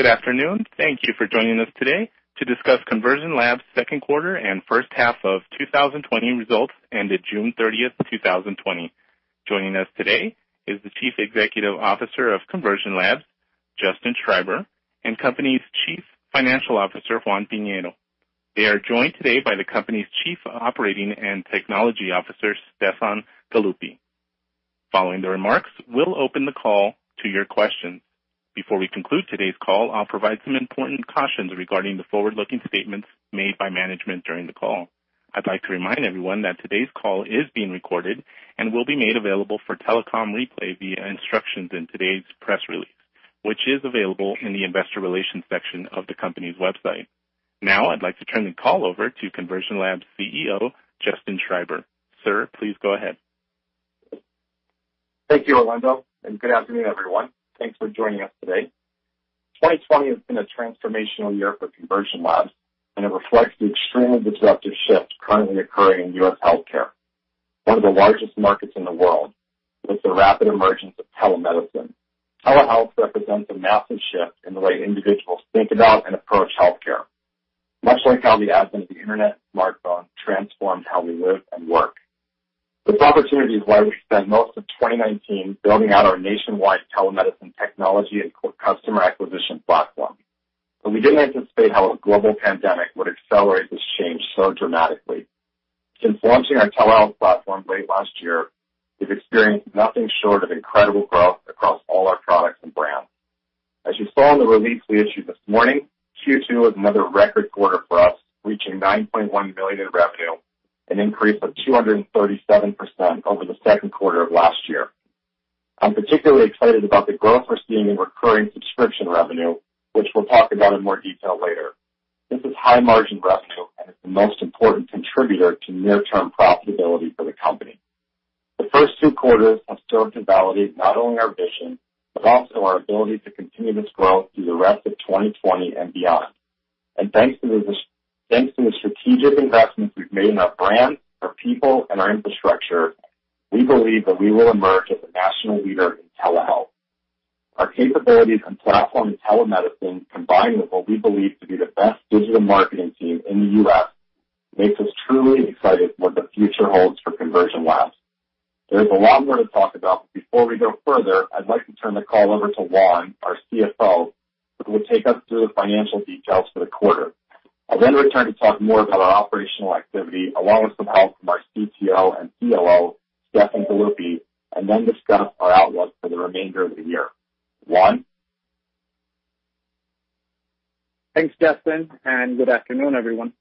Good afternoon. Thank you for joining us today to discuss Conversion Labs' second quarter and first half of two thousand and twenty results, ended June thirtieth, two thousand and twenty. Joining us today is the Chief Executive Officer of Conversion Labs, Justin Schreiber, and the company's Chief Financial Officer, Juan Piñeiro. They are joined today by the company's Chief Operating and Technology Officer, Stefan Galluppi. Following the remarks, we'll open the call to your questions. Before we conclude today's call, I'll provide some important cautions regarding the forward-looking statements made by management during the call. I'd like to remind everyone that today's call is being recorded and will be made available for telecom replay via instructions in today's press release, which is available in the investor relations section of the company's website. Now, I'd like to turn the call over to Conversion Labs' CEO, Justin Schreiber. Sir, please go ahead. Thank you, Orlando, and good afternoon, everyone. Thanks for joining us today. 2020 has been a transformational year for Conversion Labs, and it reflects the extremely disruptive shift currently occurring in U.S. healthcare. One of the largest markets in the world is the rapid emergence of telemedicine. Telehealth represents a massive shift in the way individuals think about and approach healthcare, much like how the advent of the internet and smartphone transformed how we live and work. This opportunity is why we spent most of 2019 building out our nationwide telemedicine technology and customer acquisition platform, but we didn't anticipate how a global pandemic would accelerate this change so dramatically. Since launching our telehealth platform late last year, we've experienced nothing short of incredible growth across all our products and brands. As you saw in the release we issued this morning, Q2 was another record quarter for us, reaching $9.1 million in revenue, an increase of 237% over the second quarter of last year. I'm particularly excited about the growth we're seeing in recurring subscription revenue, which we'll talk about in more detail later. This is high-margin revenue and is the most important contributor to near-term profitability for the company. The first two quarters have served to validate not only our vision, but also our ability to continue this growth through the rest of 2020 and beyond. Thanks to the strategic investments we've made in our brand, our people, and our infrastructure, we believe that we will emerge as a national leader in telehealth. Our capabilities and platform in telemedicine, combined with what we believe to be the best digital marketing team in the U.S., makes us truly excited what the future holds for Conversion Labs. There is a lot more to talk about, but before we go further, I'd like to turn the call over to Juan, our CFO, who will take us through the financial details for the quarter. I'll then return to talk more about our operational activity, along with some help from our CTO and COO, Stefan Galluppi, and then discuss our outlook for the remainder of the year. Juan? Thanks, Justin, and good afternoon, everyone.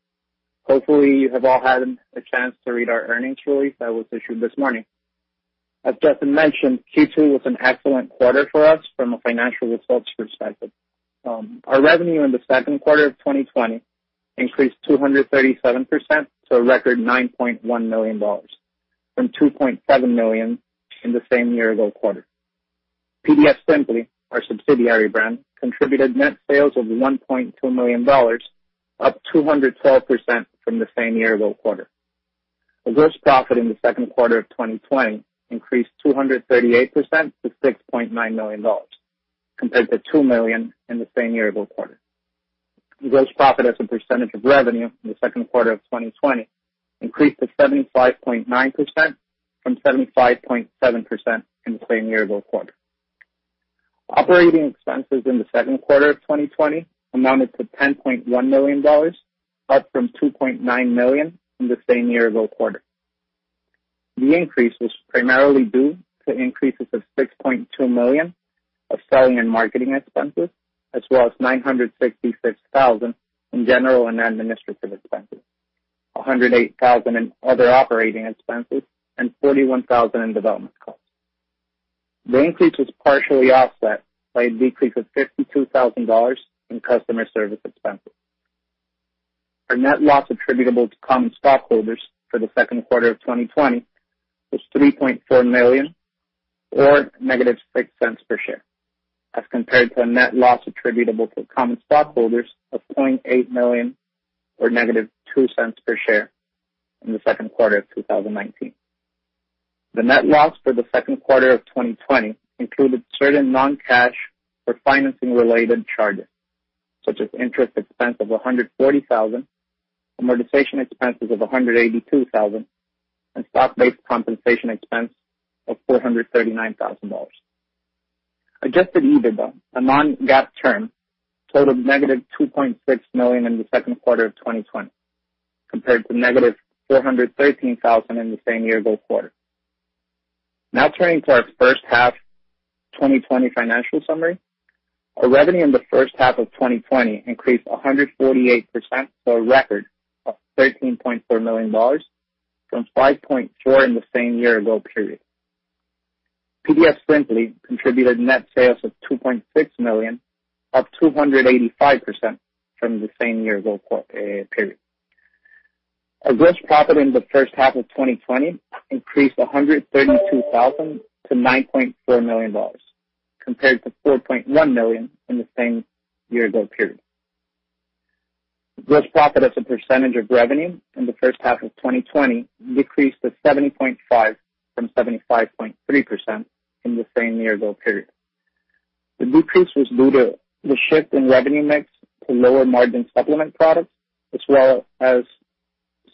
Hopefully, you have all had a chance to read our earnings release that was issued this morning. As Justin mentioned, Q2 was an excellent quarter for us from a financial results perspective. Our revenue in the second quarter of 2020 increased 237% to a record $9.1 million from $2.7 million in the same year-ago quarter. PDFSimpli, our subsidiary brand, contributed net sales of $1.2 million, up 212% from the same year-ago quarter. The gross profit in the second quarter of 2020 increased 238% to $6.9 million, compared to $2 million in the same year-ago quarter. Gross profit as a percentage of revenue in the second quarter of 2020 increased to 75.9% from 75.7% in the same year-ago quarter. Operating expenses in the second quarter of 2020 amounted to $10.1 million, up from $2.9 million in the same year-ago quarter. The increase was primarily due to increases of $6.2 million of selling and marketing expenses, as well as $966,000 in general and administrative expenses, $108,000 in other operating expenses, and $41,000 in development costs. The increase was partially offset by a decrease of $52,000 in customer service expenses. Our net loss attributable to common stockholders for the second quarter of 2020 was $3.4 million, or negative $0.06 per share, as compared to a net loss attributable to common stockholders of $0.8 million, or negative $0.02 per share in the second quarter of 2019. The net loss for the second quarter of 2020 included certain non-cash or financing-related charges, such as interest expense of $140,000, amortization expenses of $182,000, and stock-based compensation expense of $439,000. Adjusted EBITDA, a non-GAAP term, totaled negative $2.6 million in the second quarter of 2020, compared to negative $413,000 in the same year-ago quarter. Now turning to our first half 2020 financial summary. Our revenue in the first half of 2020 increased 148% to a record of $13.4 million from $5.4 million in the same year-ago period. PDFSimpli contributed net sales of $2.6 million, up 285% from the same year-ago quarter, period. Our gross profit in the first half of 2020 increased 132% to $9.4 million, compared to $4.1 million in the same year-ago period. Gross profit as a percentage of revenue in the first half of 2020 decreased to 70.5% from 75.3% in the same year-ago period. The decrease was due to the shift in revenue mix to lower margin supplement products, as well as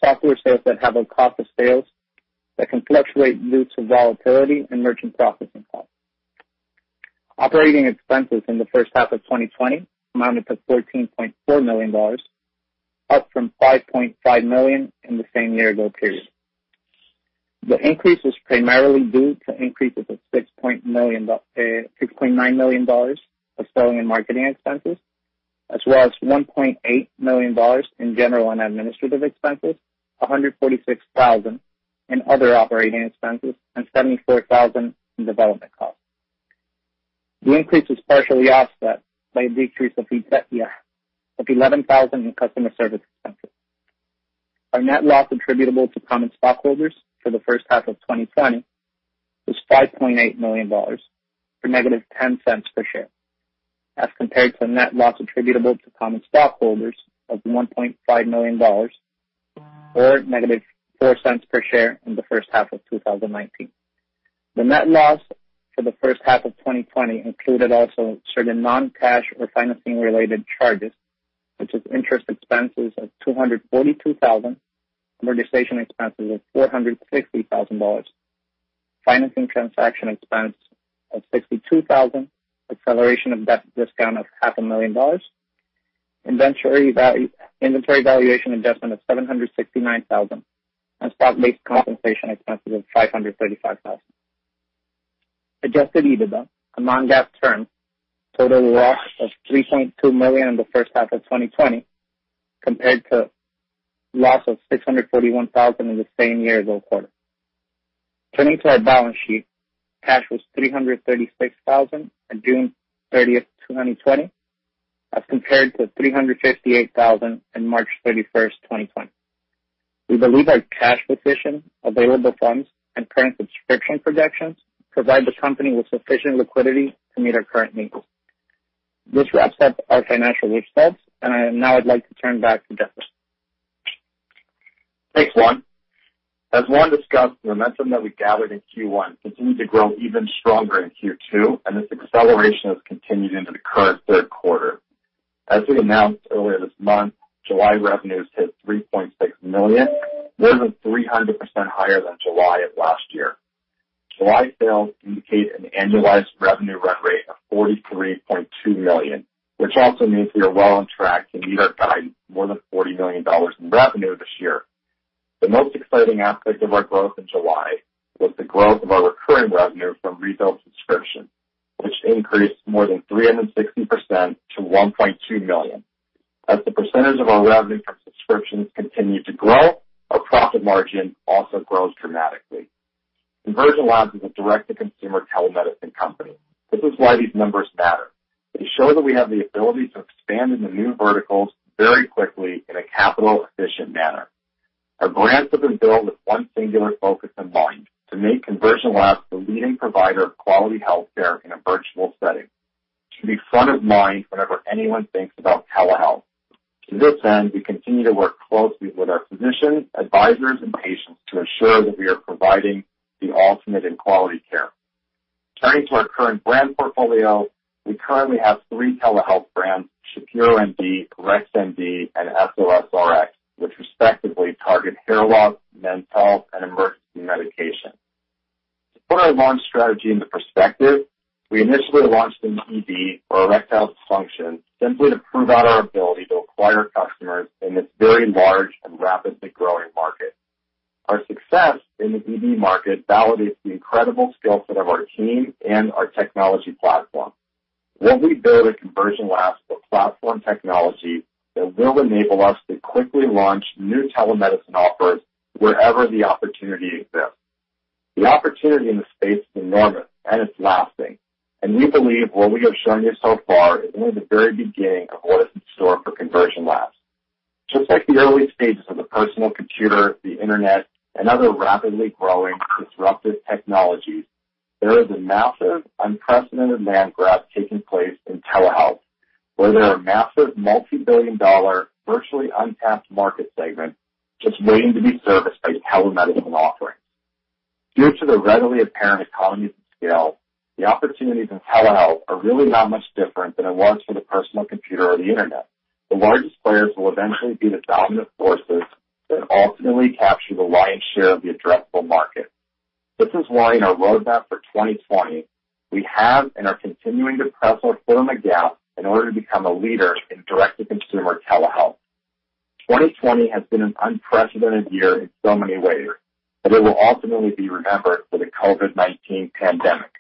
software sales that have a cost of sales that can fluctuate due to volatility and merchant processing costs. Operating expenses in the first half of 2020 amounted to $13.4 million, up from $5.5 million in the same year ago period. The increase was primarily due to increases of $6.9 million of selling and marketing expenses, as well as $1.8 million in general and administrative expenses, $146,000 in other operating expenses, and $74,000 in development costs. The increase was partially offset by a decrease of $11,000 in customer service expenses. Our net loss attributable to common stockholders for the first half of 2020 was $5.8 million, or negative $0.10 per share, as compared to the net loss attributable to common stockholders of $1.5 million or negative $0.04 per share in the first half of 2019. The net loss for the first half of 2020 included also certain non-cash or financing-related charges, which is interest expenses of $242,000, amortization expenses of $460,000, financing transaction expense of $62,000, acceleration of debt discount of $500,000, inventory valuation adjustment of $769,000, and stock-based compensation expenses of $535,000. Adjusted EBITDA, a non-GAAP term, showed a loss of $3.2 million in the first half of 2020, compared to a loss of $641,000 in the same year ago quarter. Turning to our balance sheet, cash was $336,000 on June thirtieth, 2020, as compared to $358,000 on March thirty-first, 2020. We believe our cash position, available funds, and current subscription projections provide the company with sufficient liquidity to meet our current needs. This wraps up our financial results, and now I'd like to turn back to Justin. Thanks, Juan. As Juan discussed, the momentum that we gathered in Q1 continued to grow even stronger in Q2, and this acceleration has continued into the current third quarter. As we announced earlier this month, July revenues hit $3.6 million, more than 300% higher than July of last year. July sales indicate an annualized revenue run rate of $43.2 million, which also means we are well on track to meet our guide more than $40 million in revenue this year. The most exciting aspect of our growth in July was the growth of our recurring revenue from refill subscriptions, which increased more than 360% to $1.2 million. As the percentage of our revenue from subscriptions continue to grow, our profit margin also grows dramatically. Conversion Labs is a direct-to-consumer telemedicine company. This is why these numbers matter. They show that we have the ability to expand into new verticals very quickly in a capital-efficient manner. Our brands have been built with one singular focus in mind: to make Conversion Labs the leading provider of quality healthcare in a virtual setting, to be front of mind whenever anyone thinks about telehealth. To this end, we continue to work closely with our physicians, advisors, and patients to ensure that we are providing the ultimate in quality care. Turning to our current brand portfolio, we currently have three telehealth brands, Shapiro MD, Rex MD, and SOS Rx, which respectively target hair loss, men's health, and emergency medication. To put our launch strategy into perspective, we initially launched in ED or erectile dysfunction, simply to prove out our ability to acquire customers in this very large and rapidly growing market. Our success in the ED market validates the incredible skill set of our team and our technology platform. What we build at Conversion Labs is a platform technology that will enable us to quickly launch new telemedicine offers wherever the opportunity exists. The opportunity in this space is enormous and it's lasting, and we believe what we have shown you so far is only the very beginning of what is in store for Conversion Labs. Just like the early stages of the personal computer, the internet, and other rapidly growing disruptive technologies, there is a massive, unprecedented land grab taking place in telehealth, where there are massive, multi-billion dollar, virtually untapped market segments just waiting to be serviced by telemedicine offerings. Due to the readily apparent economies of scale, the opportunities in telehealth are really not much different than it was for the personal computer or the internet. The largest players will eventually be the dominant forces that ultimately capture the lion's share of the addressable market. This is why in our roadmap for 2020, we have and are continuing to press our foot on the gas in order to become a leader in direct-to-consumer telehealth. 2020 has been an unprecedented year in so many ways, but it will ultimately be remembered for the COVID-19 pandemic.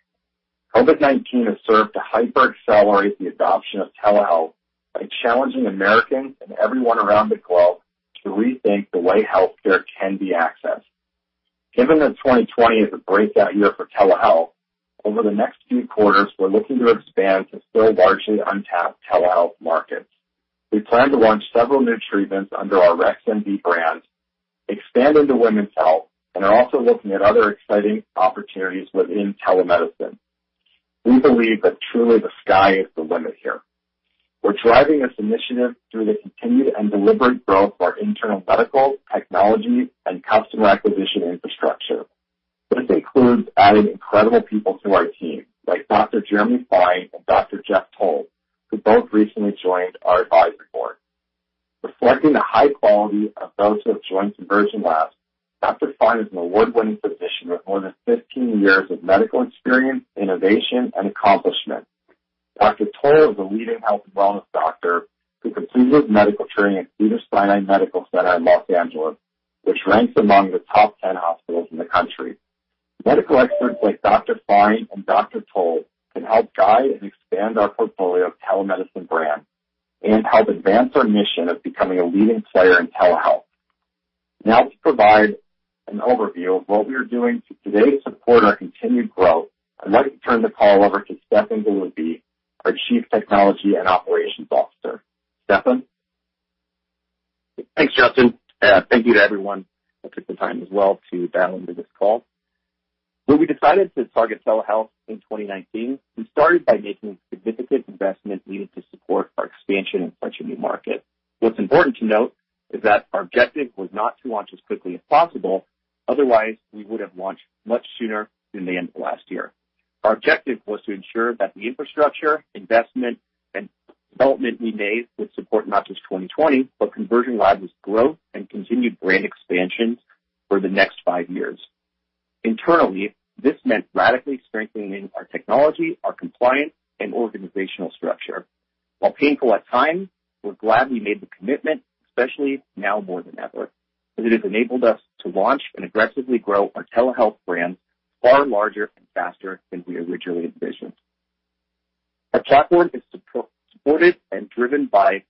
COVID-19 has served to hyper accelerate the adoption of telehealth by challenging Americans and everyone around the globe to rethink the way healthcare can be accessed. Given that 2020 is a breakout year for telehealth, over the next few quarters, we're looking to expand to still largely untapped telehealth markets. We plan to launch several new treatments under our Rex MD brand, expand into women's health, and are also looking at other exciting opportunities within telemedicine. We believe that truly the sky is the limit here. We're driving this initiative through the continued and deliberate growth of our internal medical, technology, and customer acquisition infrastructure. This includes adding incredible people to our team, like Dr. Jeremy Fine and Dr. Jeff Toll, who both recently joined our advisory board. Reflecting the high quality of those who have joined Conversion Labs, Dr. Fine is an award-winning physician with more than 15 years of medical experience, innovation, and accomplishment. Dr. Toll is a leading health and wellness doctor who completed medical training at Cedars-Sinai Medical Center in Los Angeles, which ranks among the top 10 hospitals in the country. Medical experts like Dr. Fine and Dr. Toll can help guide and expand our portfolio of telemedicine brands and help advance our mission of becoming a leading player in telehealth. Now, to provide an overview of what we are doing today to support our continued growth, I'd like to turn the call over to Stefan Galluppi, our Chief Technology and Operations Officer. Stefan? Thanks, Justin. Thank you to everyone that took the time as well to dial into this call. When we decided to target telehealth in 2019, we started by making significant investments needed to support our expansion into a new market. What's important to note is that our objective was not to launch as quickly as possible, otherwise, we would have launched much sooner than the end of last year. Our objective was to ensure that the infrastructure, investment, and development we made would support not just 2020, but Conversion Labs' growth and continued brand expansion for the next five years. Internally, this meant radically strengthening our technology, our compliance, and organizational structure. While painful at times, we're glad we made the commitment, especially now more than ever, as it has enabled us to launch and aggressively grow our telehealth brands far larger and faster than we originally envisioned. Our platform is supported and driven by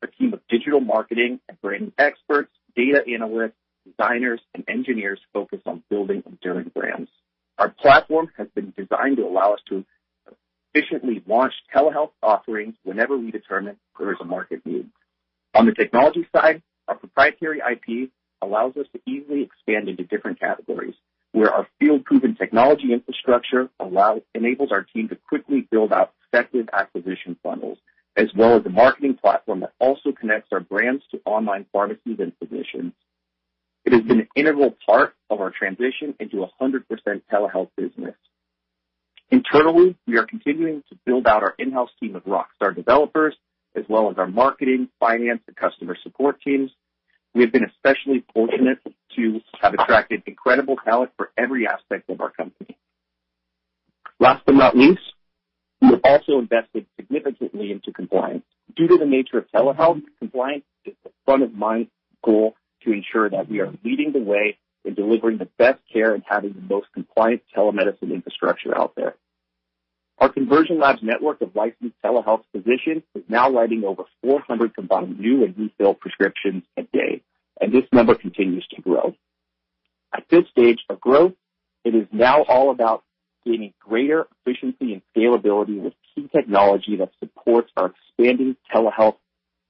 a team of digital marketing and brand experts, data analysts, designers, and engineers focused on building enduring brands. Our platform has been designed to allow us to efficiently launch telehealth offerings whenever we determine there is a market need. On the technology side, our proprietary IP allows us to easily expand into different categories, where our field-proven technology infrastructure enables our team to quickly build out effective acquisition funnels, as well as a marketing platform that also connects our brands to online pharmacies and physicians. It has been an integral part of our transition into a 100% telehealth business. Internally, we are continuing to build out our in-house team of rockstar developers, as well as our marketing, finance, and customer support teams. We have been especially fortunate to have attracted incredible talent for every aspect of our company. Last but not least, we have also invested significantly into compliance. Due to the nature of telehealth, compliance is a front-of-mind goal to ensure that we are leading the way in delivering the best care and having the most compliant telemedicine infrastructure out there. Our Conversion Labs network of licensed telehealth physicians is now writing over 400 combined new and refill prescriptions a day, and this number continues to grow. At this stage of growth, it is now all about gaining greater efficiency and scalability with key technology that supports our expanding telehealth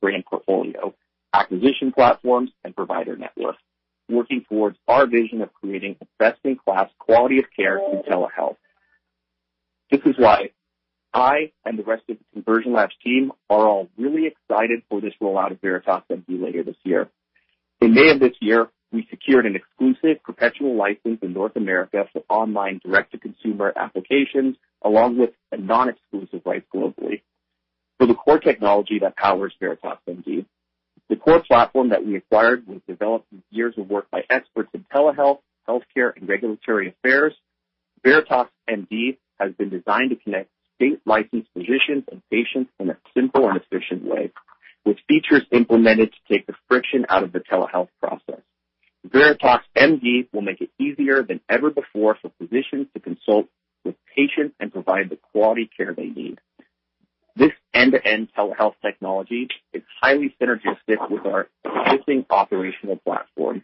brand portfolio, acquisition platforms, and provider networks, working towards our vision of creating a best-in-class quality of care in telehealth. This is why I and the rest of the Conversion Labs team are all really excited for this rollout of VeritasMD later this year. In May of this year, we secured an exclusive perpetual license in North America for online direct-to-consumer applications, along with a non-exclusive right globally. For the core technology that powers VeritasMD, the core platform that we acquired was developed in years of work by experts in telehealth, healthcare, and regulatory affairs. VeritasMD has been designed to connect state-licensed physicians and patients in a simple and efficient way, with features implemented to take the friction out of the telehealth process. VeritasMD will make it easier than ever before for physicians to consult with patients and provide the quality care they need. This end-to-end telehealth technology is highly synergistic with our existing operational platform.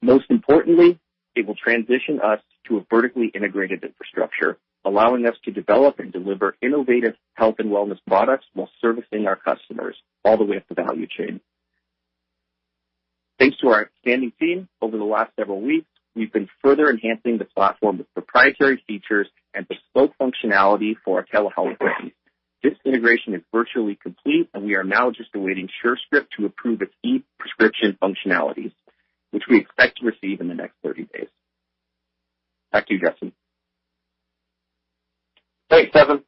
Most importantly, it will transition us to a vertically integrated infrastructure, allowing us to develop and deliver innovative health and wellness products while servicing our customers all the way up the value chain. Thanks to our outstanding team, over the last several weeks, we've been further enhancing the platform with proprietary features and bespoke functionality for our telehealth brand. This integration is virtually complete, and we are now just awaiting Surescripts to approve its e-prescription functionalities, which we expect to receive in the next thirty days. Back to you, Justin. Thanks, Stefan.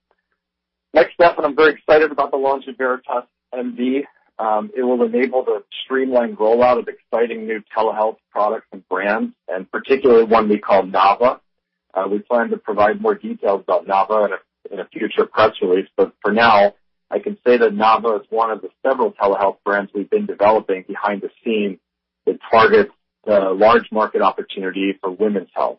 Next step, and I'm very excited about the launch of VeritasMD. It will enable the streamlined rollout of exciting new telehealth products and brands, and particularly one we call Nava. We plan to provide more details about Nava in a future press release, but for now, I can say that Nava is one of the several telehealth brands we've been developing behind the scenes that targets the large market opportunity for women's health.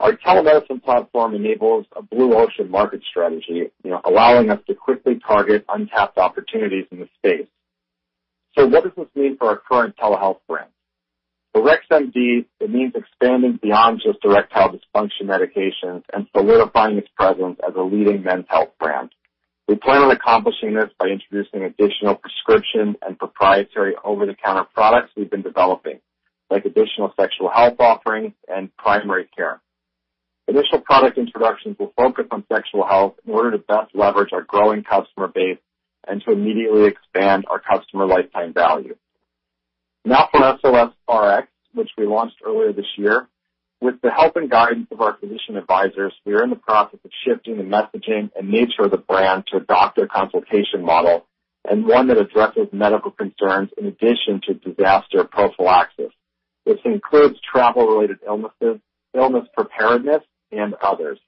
Our telemedicine platform enables a blue ocean market strategy, you know, allowing us to quickly target untapped opportunities in the space. So what does this mean for our current telehealth brands? For RexMD, it means expanding beyond just erectile dysfunction medications and solidifying its presence as a leading men's health brand. We plan on accomplishing this by introducing additional prescription and proprietary over-the-counter products we've been developing, like additional sexual health offerings and primary care. Initial product introductions will focus on sexual health in order to best leverage our growing customer base and to immediately expand our customer lifetime value. Now, for SOS Rx, which we launched earlier this year, with the help and guidance of our physician advisors, we are in the process of shifting the messaging and nature of the brand to a doctor consultation model, and one that addresses medical concerns in addition to disaster prophylaxis. This includes travel-related illnesses, illness preparedness, and others.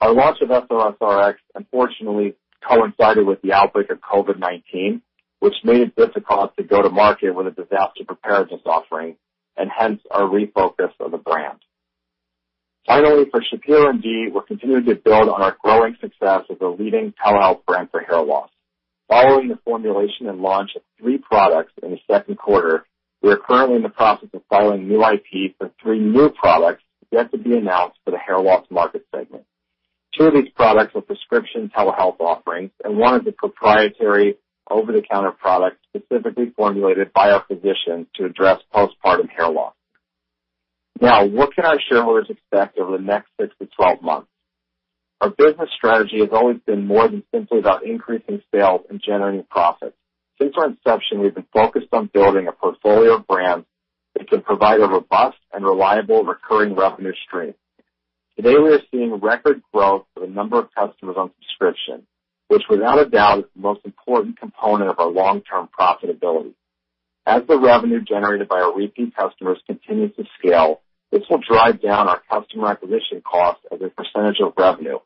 Our launch of SOS Rx, unfortunately, coincided with the outbreak of COVID-19, which made it difficult to go to market with a disaster preparedness offering and hence our refocus of the brand. Finally, for Shapiro MD, we're continuing to build on our growing success as a leading telehealth brand for hair loss. Following the formulation and launch of three products in the second quarter, we are currently in the process of filing new IP for three new products yet to be announced for the hair loss market segment. Two of these products are prescription telehealth offerings, and one is a proprietary over-the-counter product, specifically formulated by our physician to address postpartum hair loss. Now, what can our shareholders expect over the next six to twelve months? Our business strategy has always been more than simply about increasing sales and generating profits. Since our inception, we've been focused on building a portfolio of brands that can provide a robust and reliable recurring revenue stream. Today, we are seeing record growth for the number of customers on subscription, which without a doubt, is the most important component of our long-term profitability. As the revenue generated by our repeat customers continues to scale, this will drive down our customer acquisition costs as a percentage of revenue,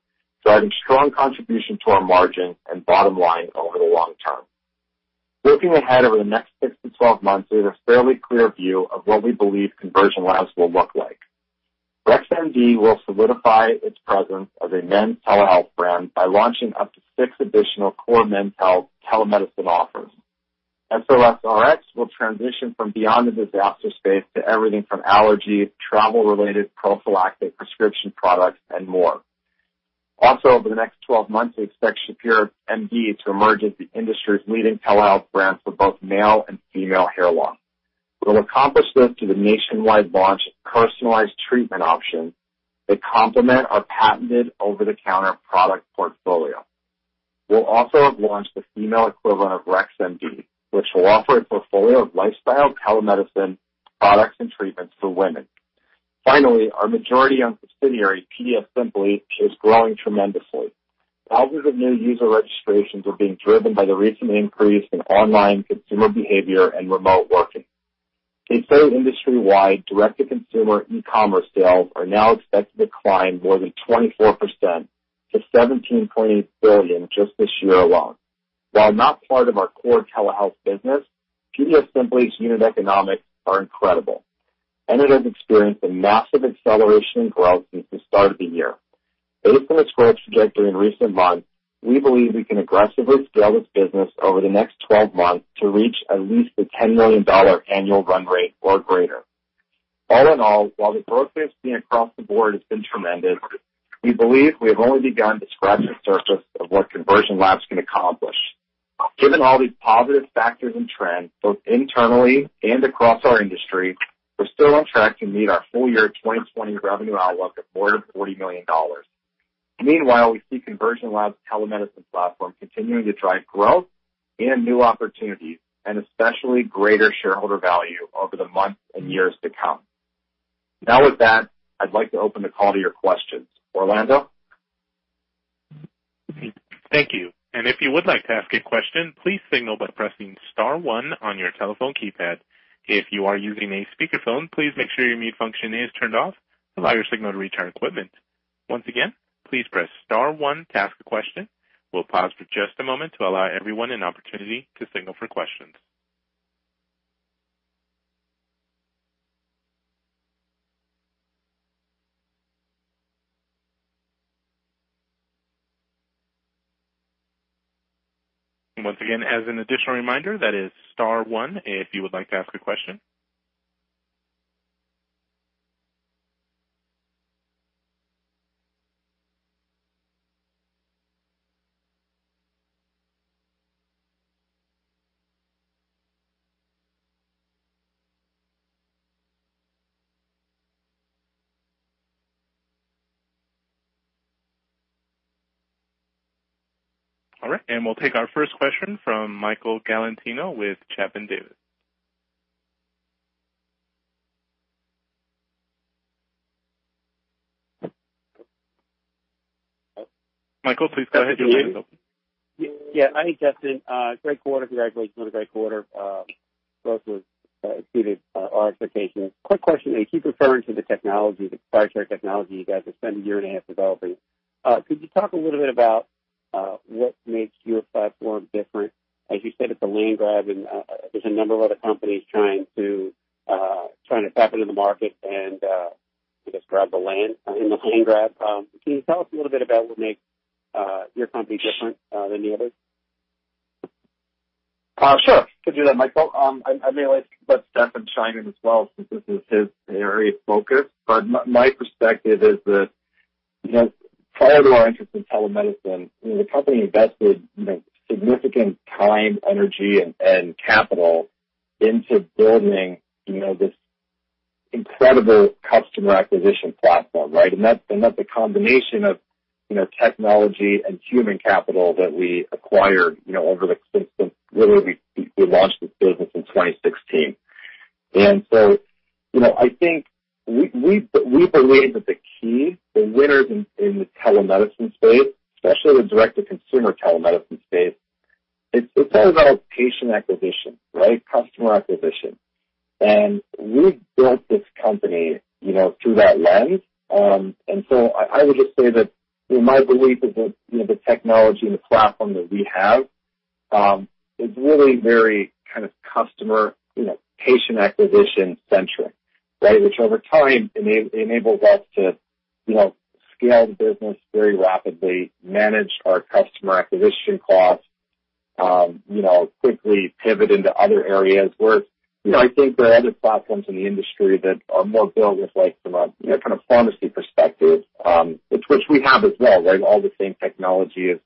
driving strong contribution to our margin and bottom line over the long term. Looking ahead over the next six to 12 months, we have a fairly clear view of what we believe Conversion Labs will look like. Rex MD will solidify its presence as a men's telehealth brand by launching up to six additional core men's health telemedicine offers. SOS Rx will transition from beyond the disaster space to everything from allergy, travel-related prophylactic prescription products and more. Also, over the next 12 months, we expect Shapiro MD to emerge as the industry's leading telehealth brand for both male and female hair loss. We'll accomplish this through the nationwide launch of personalized treatment options that complement our patented over-the-counter product portfolio. We'll also have launched the female equivalent of Rex MD, which will offer a portfolio of lifestyle, telemedicine, products, and treatments for women. Finally, our majority-owned subsidiary, PDFSimpli, is growing tremendously. Thousands of new user registrations are being driven by the recent increase in online consumer behavior and remote working. Consider industry-wide, direct-to-consumer e-commerce sales are now expected to climb more than 24% to $17.8 billion just this year alone. While not part of our core telehealth business, PDFSimpli's unit economics are incredible, and it has experienced a massive acceleration in growth since the start of the year. Based on its growth trajectory in recent months, we believe we can aggressively scale this business over the next 12 months to reach at least a $10 million annual run rate or greater. All in all, while the growth we have seen across the board has been tremendous, we believe we have only begun to scratch the surface of what Conversion Labs can accomplish. Given all these positive factors and trends, both internally and across our industry, we're still on track to meet our full year 2020 revenue outlook of more than $40 million. Meanwhile, we see Conversion Labs' telemedicine platform continuing to drive growth and new opportunities, and especially greater shareholder value over the months and years to come. Now, with that, I'd like to open the call to your questions. Orlando? Thank you. And if you would like to ask a question, please signal by pressing star one on your telephone keypad. If you are using a speakerphone, please make sure your mute function is turned off to allow your signal to reach our equipment. Once again, please press star one to ask a question. We'll pause for just a moment to allow everyone an opportunity to signal for questions. Once again, as an additional reminder, that is star one, if you would like to ask a question. All right, and we'll take our first question from Michael Galantino with Chapman Davis. Michael, please go ahead, your line is open. Yeah, hi, Justin. Great quarter. Congratulations on a great quarter. Growth exceeded our expectations. Quick question, you keep referring to the technology, the proprietary technology you guys have spent a year and a half developing. Could you talk a little bit about what makes your platform different? As you said, it's a land grab, and there's a number of other companies trying to tap into the market and just grab the lane in the land grab. Can you tell us a little bit about what makes your company different than the others? Sure, could do that, Michael. I may let Stefan chime in as well, since this is his area of focus. But my perspective is that, you know, prior to our interest in telemedicine, you know, the company invested, you know, significant time, energy, and capital into building, you know, this incredible customer acquisition platform, right? And that's a combination of, you know, technology and human capital that we acquired, you know, since really we launched this business in 2016. And so, you know, I think we believe that the key, the winners in the telemedicine space, especially the direct-to-consumer telemedicine space, it's all about patient acquisition, right? Customer acquisition. And we built this company, you know, through that lens. And so I would just say that, you know, my belief is that, you know, the technology and the platform that we have is really very kind of customer, you know, patient acquisition centric, right? Which over time enables us to, you know, scale the business very rapidly, manage our customer acquisition costs, you know, quickly pivot into other areas. Where, you know, I think there are other platforms in the industry that are more built with, like, from a, you know, kind of pharmacy perspective, which we have as well, right? All the same technology as,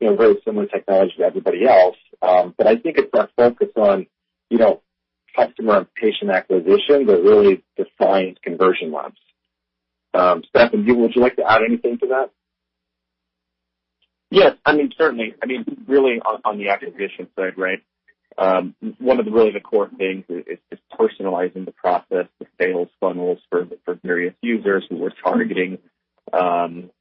you know, very similar technology to everybody else. But I think it's our focus on, you know, customer and patient acquisition that really defines Conversion Labs. Stefan, would you like to add anything to that? Yes. I mean, certainly. I mean, really on the acquisition side, right? One of the really core things is personalizing the process, the sales funnels for various users who we're targeting. And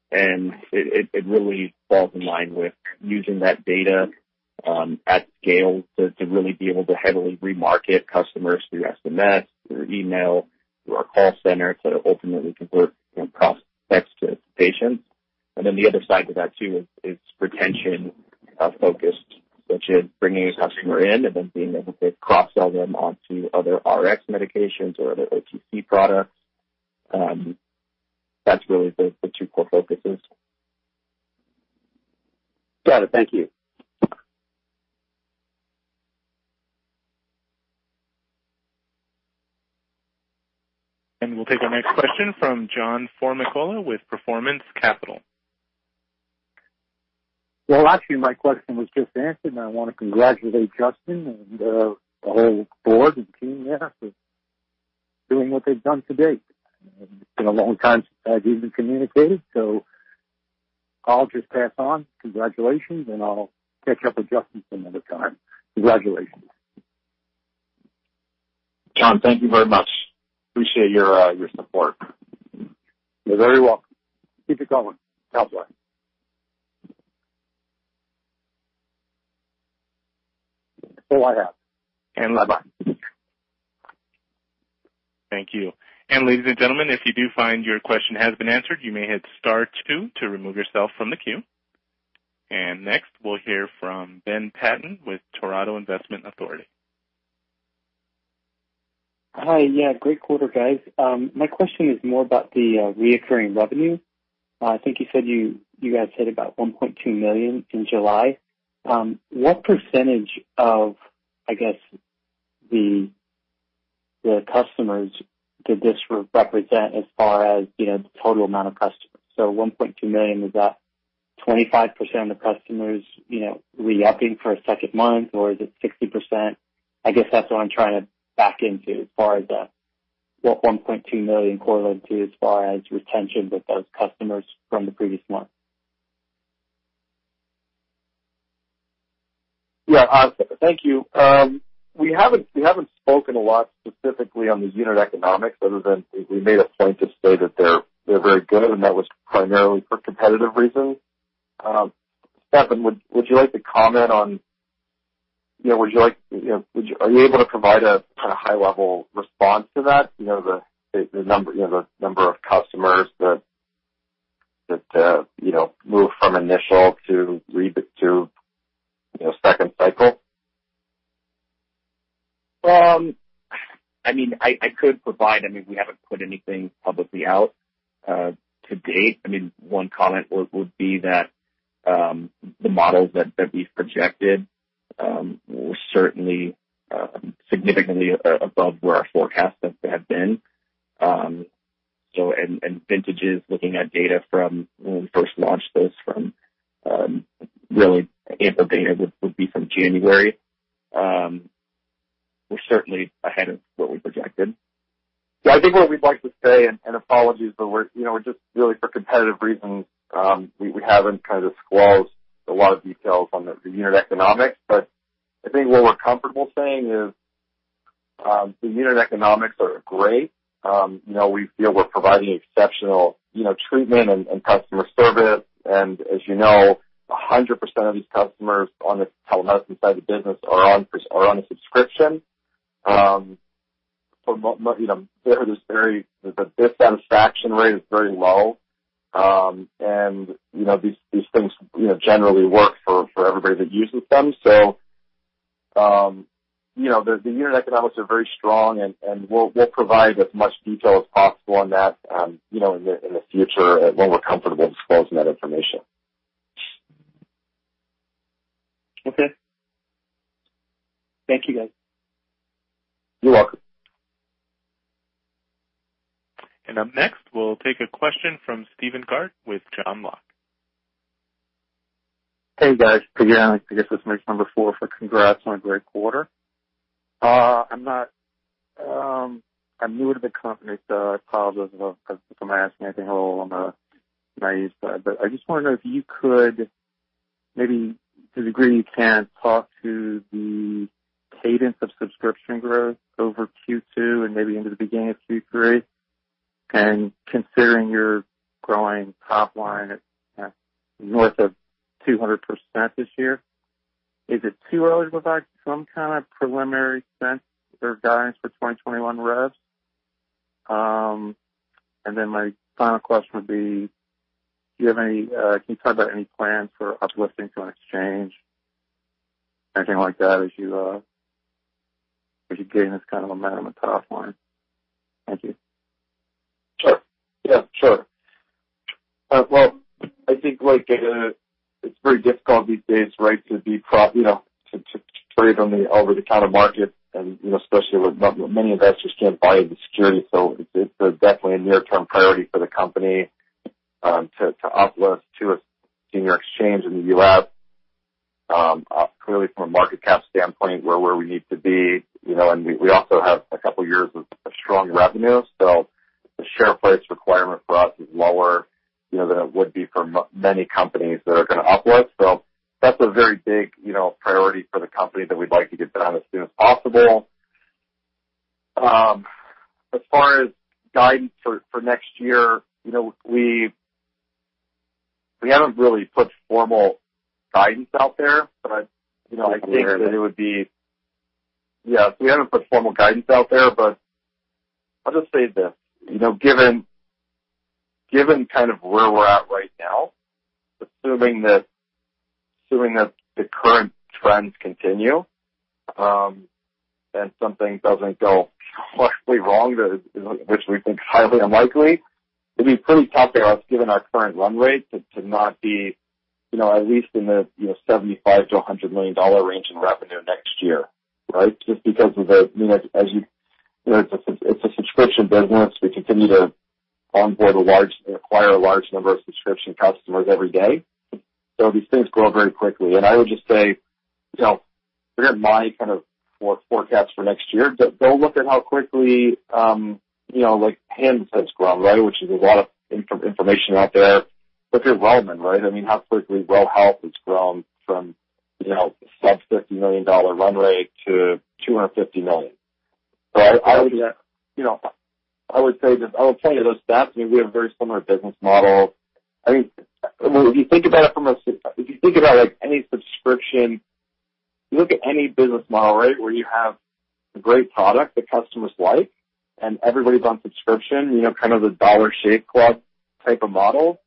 it really falls in line with using that data at scale to really be able to heavily remarket customers through SMS, through email, through our call center, to ultimately convert, you know, prospects to patients. And then the other side to that, too, is retention focused, which is bringing a customer in and then being able to cross-sell them onto other Rx medications or other OTC products. That's really the two core focuses. Got it. Thank you. We'll take our next question from John Formicola with Performance Capital. Actually, my question was just answered, and I want to congratulate Justin and the whole board and team there for doing what they've done to date. It's been a long time since I've even communicated, so I'll just pass on. Congratulations, and I'll catch up with Justin another time. Congratulations. John, thank you very much. Appreciate your support. You're very welcome. Keep it going. God bless. So I have, and bye-bye. Thank you. And ladies and gentlemen, if you do find your question has been answered, you may hit star two to remove yourself from the queue. And next, we'll hear from Ben Patton with Toronto Investment Authority. Hi. Yeah, great quarter, guys. My question is more about the recurring revenue. I think you said you guys hit about $1.2 million in July. What percentage of, I guess, the customers did this represent as far as, you know, the total amount of customers? So $1.2 million, is that 25% of the customers, you know, re-upping for a second month, or is it 60%? I guess that's what I'm trying to back into as far as what $1.2 million correlate to as far as retention with those customers from the previous month. Yeah. Thank you. We haven't spoken a lot specifically on the unit economics other than we made a point to say that they're very good, and that was primarily for competitive reasons. Stefan, would you like to comment on... You know, would you like, you know, are you able to provide a kind of high level response to that? You know, the number, you know, the number of customers that you know move from initial to second cycle? I mean, I could provide, I mean, we haven't put anything publicly out to date. I mean, one comment would be that the models that we've projected were certainly significantly above where our forecasts have been. So, on vintages, looking at data from when we first launched this. Really, data would be from January. We're certainly ahead of what we projected. So I think what we'd like to say, and apologies, but we're, you know, just really for competitive reasons, we haven't kind of disclosed a lot of details on the unit economics. But I think what we're comfortable saying is, the unit economics are great. You know, we feel we're providing exceptional, you know, treatment and customer service. And as you know, 100% of these customers on the telemedicine side of the business are on a subscription. For most, you know, the dissatisfaction rate is very low. You know, these things generally work for everybody that uses them. You know, the unit economics are very strong, and we'll provide as much detail as possible on that, you know, in the future when we're comfortable disclosing that information. Okay. Thank you, guys. You're welcome. Up next, we'll take a question from Steven Gart with John Locke. Hey, guys. Again, I guess this makes number four for congrats on a great quarter. I'm not, I'm new to the company, so I probably, I'm asking a little on the naive side, but I just want to know if you could, maybe to the degree you can, talk to the cadence of subscription growth over Q2 and maybe into the beginning of Q3. And considering you're growing top line at north of 200% this year, is it too early to provide some kind of preliminary sense or guidance for 2021 rev? And then my final question would be: Do you have any, can you talk about any plans for uplisting to an exchange or anything like that as you, as you gain this kind of momentum on the top line? Thank you. Sure. Yeah, sure. Well, I think, like, it's very difficult these days, right, to... You know, to trade on the over-the-counter market, and, you know, especially with many investors can't buy the security. So it's definitely a near-term priority for the company, to uplist to a senior exchange in the US. Clearly, from a market cap standpoint, we're where we need to be, you know, and we also have a couple of years of strong revenue. So the share price requirement for us is lower, you know, than it would be for many companies that are gonna uplist. So that's a very big, you know, priority for the company that we'd like to get done as soon as possible. As far as guidance for next year, you know, we haven't really put formal guidance out there, but, you know, I think that it would be- yeah, so we haven't put formal guidance out there, but I'll just say this: You know, given kind of where we're at right now, assuming that the current trends continue, and something doesn't go drastically wrong, which we think is highly unlikely, it'd be pretty tough for us, given our current run rate, to not be, you know, at least in the, you know, $75-100 million range in revenue next year, right? Just because of the, you know, as you-- you know, it's a subscription business. We continue to onboard a large, and acquire a large number of subscription customers every day. So these things grow very quickly. I would just say, you know, forget my kind of forecast for next year. Go look at how quickly, you know, like, Hims has grown, right, which is a lot of information out there. Look at Ro, right? I mean, how quickly Ro has grown from, you know, sub-$50 million run rate to $250 million. So I would, you know, I would say this, I would tell you those stats, I mean, we have a very similar business model. I mean, if you think about it from a, if you think about, like, any subscription, you look at any business model, right, where you have a great product that customers like, and everybody's on subscription, you know, kind of the Dollar Shave Club type of model.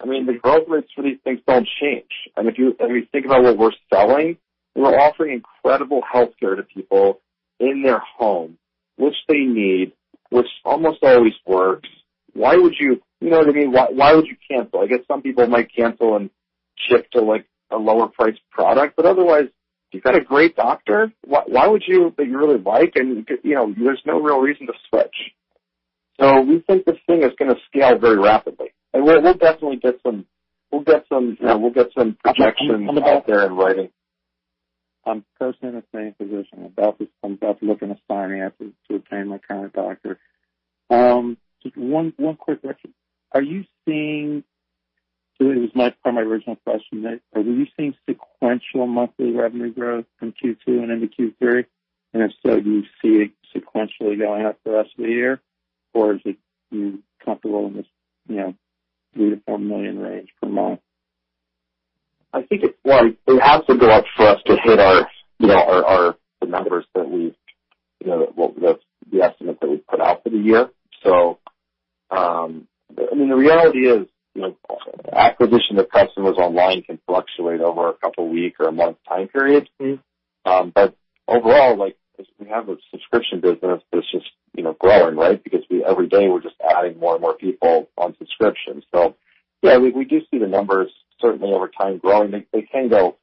I mean, the growth rates for these things don't change. And if you think about what we're selling, we're offering incredible healthcare to people in their home, which they need, which almost always works. Why would you... You know what I mean? Why would you cancel? I guess some people might cancel and shift to, like, a lower-priced product, but otherwise, you've got a great doctor. Why would you that you really like, and, you know, there's no real reason to switch. So we think this thing is gonna scale very rapidly, and we'll definitely get some projections out there in writing. I'm personally in the same position. I'm about to look into signing after to obtain my current doctor. Just one quick question: Are you seeing, so it was my, part of my original question, are you seeing sequential monthly revenue growth from Q2 and into Q3? And if so, do you see it sequentially going up the rest of the year, or is it comfortable in this, you know, $3 million-$4 million range per month? I think it. Well, it has to go up for us to hit our, you know, the numbers that we've, you know, the estimate that we've put out for the year. So, I mean, the reality is, you know, acquisition of customers online can fluctuate over a couple week or a month time period. Mm-hmm. But overall, like, as we have a subscription business, that's just, you know, growing, right? Because every day, we're just adding more and more people on subscription. So yeah, we do see the numbers certainly over time growing. They can go,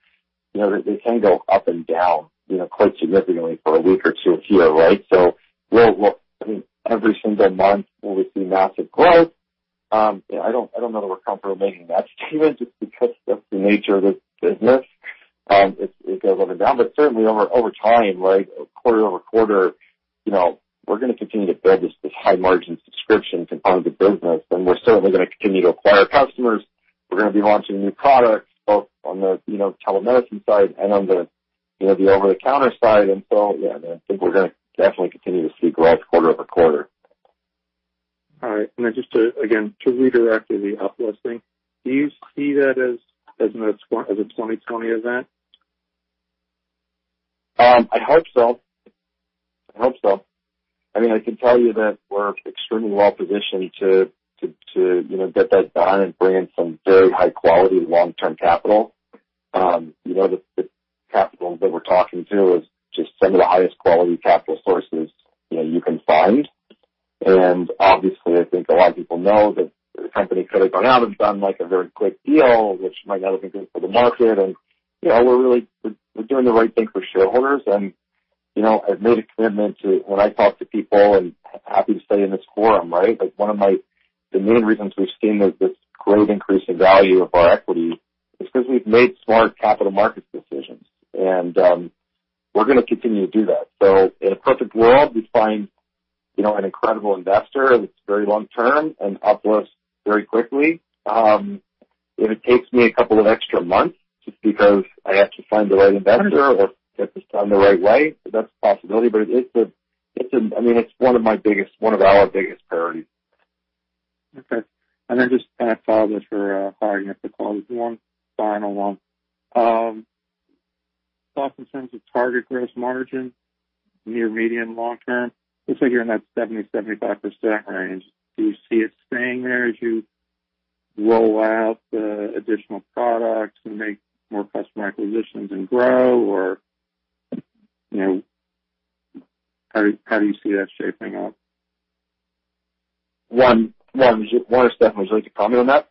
you know, up and down, you know, quite significantly for a week or two here, right? So we'll, I mean, every single month, will we see massive growth? I don't know that we're comfortable making that statement just because of the nature of this business. It goes up and down, but certainly over time, like quarter over quarter, you know, we're gonna continue to build this high-margin subscription component of the business, and we're certainly gonna continue to acquire customers. We're gonna be launching new products both on the, you know, telemedicine side and on the, you know, the over-the-counter side. And so, yeah, I think we're gonna definitely continue to see growth quarter over quarter. All right. And then just to redirect to the uplisting, do you see that as a 2020 event? I hope so. I hope so. I mean, I can tell you that we're extremely well positioned to you know, get that done and bring in some very high quality long-term capital. You know, the capital that we're talking to is just some of the highest quality capital sources, you know, you can find. And obviously, I think a lot of people know that the company could have gone out and done like a very quick deal, which might not have been good for the market. And, you know, we're really doing the right thing for shareholders. You know, I've made a commitment to when I talk to people and happy to say in this forum, right, like one of the main reasons we've seen this great increase in value of our equity is because we've made smart capital markets decisions, and we're gonna continue to do that. So in a perfect world, we find, you know, an incredible investor that's very long term and up with us very quickly. If it takes me a couple of extra months just because I have to find the right investor or get this done the right way, that's a possibility. But it is. I mean, it's one of my biggest, one of our biggest priorities. Okay. And then just kind of follow up with your hiring effort, one final one. Thoughts in terms of target gross margin, near, medium, long term. Looks like you're in that 70%-75% range. Do you see it staying there as you roll out the additional products and make more customer acquisitions and grow? Or, you know, how do you see that shaping up? Stefan, would you like to comment on that?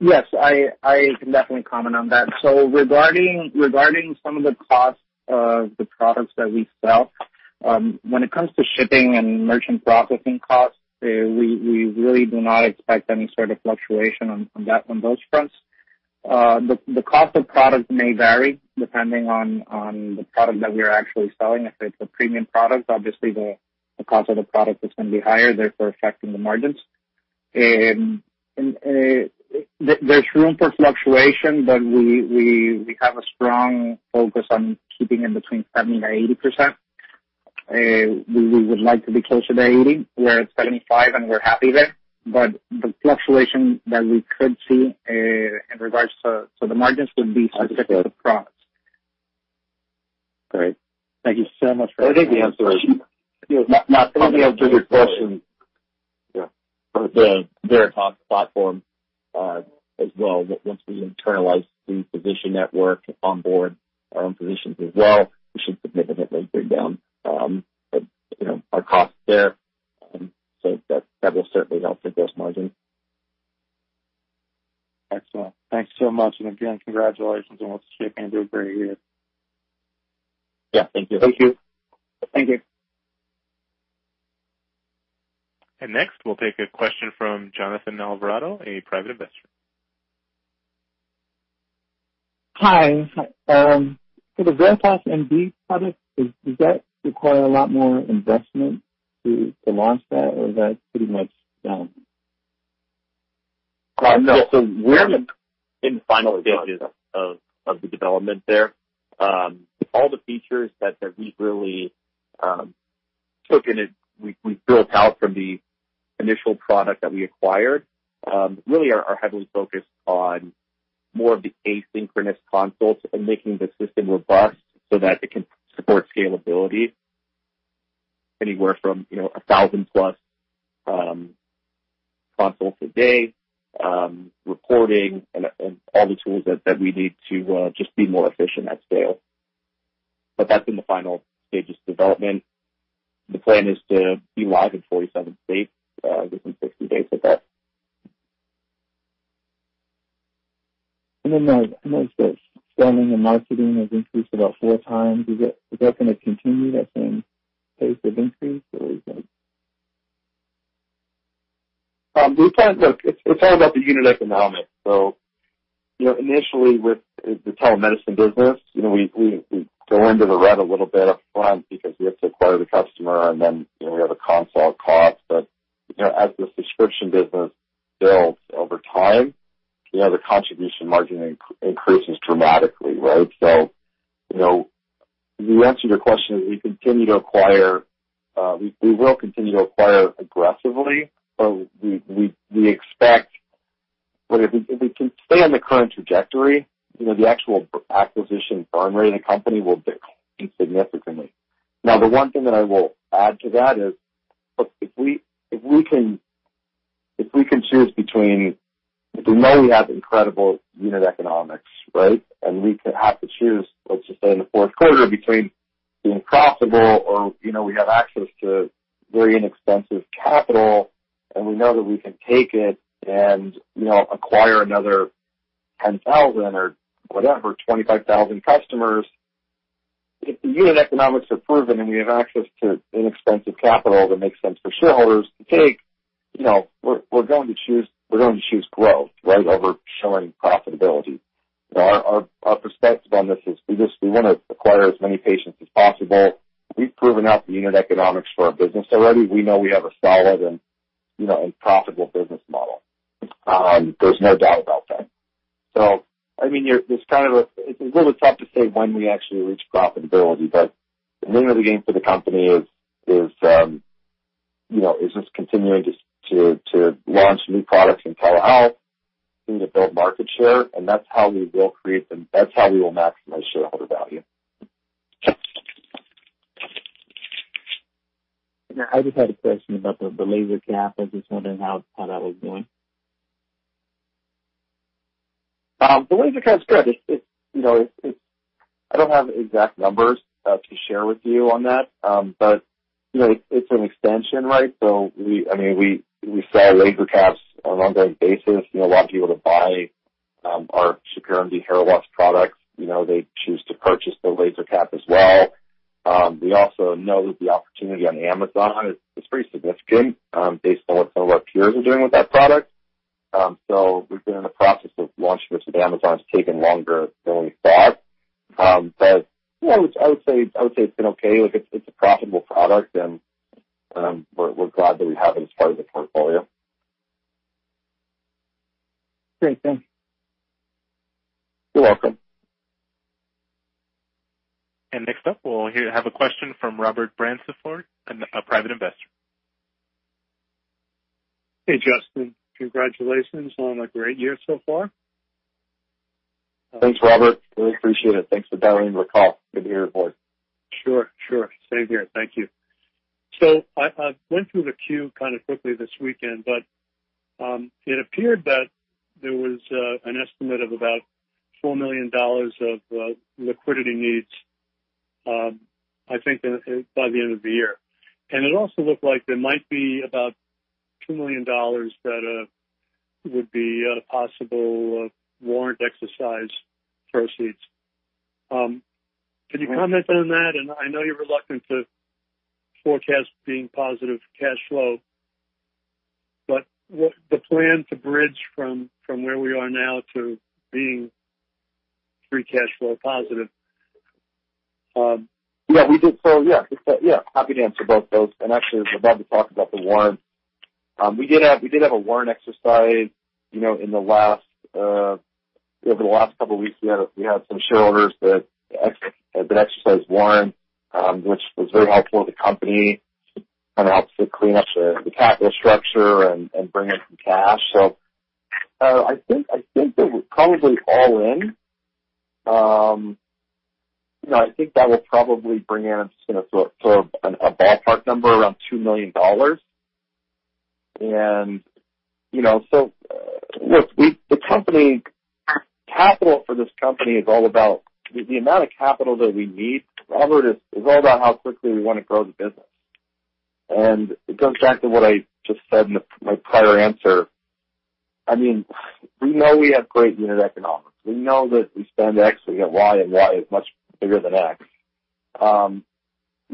Yes, I can definitely comment on that. So regarding some of the costs of the products that we sell, when it comes to shipping and merchant processing costs, we really do not expect any sort of fluctuation on those fronts. The cost of products may vary depending on the product that we are actually selling. If it's a premium product, obviously the cost of the product is going to be higher, therefore, affecting the margins. And there's room for fluctuation, but we have a strong focus on keeping in between 70%-80%. We would like to be closer to 80%. We're at 75%, and we're happy there, but the fluctuation that we could see in regards to the margins would be specific to the products. Great. Thank you so much for that. I think the answer is not only a bigger question. Yeah, the Veritas platform as well. Once we internalize the physician network on board, our own physicians as well, we should significantly bring down you know, our costs there. So that will certainly help the gross margin. Excellent. Thanks so much, and again, congratulations on what you can do. A great year. Yeah. Thank you. Thank you. Thank you. Next, we'll take a question from Jonathan Alvarado, a private investor. Hi. For the VeritasMD product, does that require a lot more investment to launch that, or is that pretty much done? No, so we're in the final stages of the development there. All the features that we really took in it, we built out from the initial product that we acquired, really are heavily focused on more of the asynchronous consults and making the system robust so that it can support scalability anywhere from, you know, 1,000 plus consults a day, reporting and all the tools that we need to just be more efficient at scale, but that's in the final stages of development. The plan is to be live in 47 states within 60 days of that. And then, I noticed that selling and marketing has increased about four times. Is that going to continue that same pace of increase, or is that? Look, it's all about the unit economics. So, you know, initially with the telemedicine business, you know, we go into the red a little bit up front because we have to acquire the customer, and then, you know, we have a consult cost. But, you know, as the subscription business builds over time, you know, the contribution margin increases dramatically, right? So, you know, to answer your question, we continue to acquire, we expect. But if we can stay on the current trajectory, you know, the actual acquisition burn rate in the company will decrease significantly. Now, the one thing that I will add to that is, look, if we can choose between if we know we have incredible unit economics, right? We could have to choose, let's just say in the fourth quarter, between being profitable or, you know, we have access to very inexpensive capital, and we know that we can take it and, you know, acquire another 10,000 or whatever, 25,000 customers. If the unit economics are proven and we have access to inexpensive capital, that makes sense for shareholders to take, you know, we're going to choose, we're going to choose growth, right, over showing profitability. Our perspective on this is we just, we want to acquire as many patients as possible. We've proven out the unit economics for our business already. We know we have a solid and, you know, and profitable business model. There's no doubt about that. So I mean, it's really tough to say when we actually reach profitability, but the name of the game for the company is, you know, just continuing to launch new products in telehealth. We need to build market share, and that's how we will create them. That's how we will maximize shareholder value. I just had a question about the LaserCap. I was just wondering how that was going. The LaserCap's good. It's, you know, it's- I don't have exact numbers to share with you on that, but, you know, it's an extension, right? So we, I mean, we sell LaserCaps on an ongoing basis. You know, a lot of people that buy our Shapiro MD hair loss products, you know, they choose to purchase the LaserCap as well. We also know that the opportunity on Amazon is pretty significant, based on what some of our peers are doing with that product. So we've been in the process of launching this with Amazon. It's taking longer than we thought. But, you know, I would say it's been okay. Like, it's a profitable product, and, we're glad that we have it as part of the portfolio. Great, thanks. You're welcome. Next up, we'll have a question from Robert Branceford, a private investor. Hey, Justin. Congratulations on a great year so far. Thanks, Robert. Really appreciate it. Thanks for dialing the call. Good to hear your voice. Sure, sure. Same here. Thank you. So I went through the queue kind of quickly this weekend, but it appeared that there was an estimate of about $4 million of liquidity needs, I think, by the end of the year. And it also looked like there might be about $2 million that would be possible warrant exercise proceeds. Can you comment on that? And I know you're reluctant to forecast being positive cash flow, but what the plan to bridge from where we are now to being free cash flow positive? Yeah, we did. So, yeah. Yeah, happy to answer both those, and actually, I'm glad to talk about the warrant. We did have a warrant exercise, you know, over the last couple weeks, we had some shareholders that exercised warrant, which was very helpful to the company. Kinda helps to clean up the capital structure and bring in some cash. So, I think that we're probably all in, you know, I think that will probably bring in, you know, for a ballpark number around $2 million. And, you know, so look, the company. Capital for this company is all about the amount of capital that we need, Robert, is all about how quickly we want to grow the business. It goes back to what I just said in my prior answer. I mean, we know we have great unit economics. We know that we spend X, we get Y, and Y is much bigger than X. You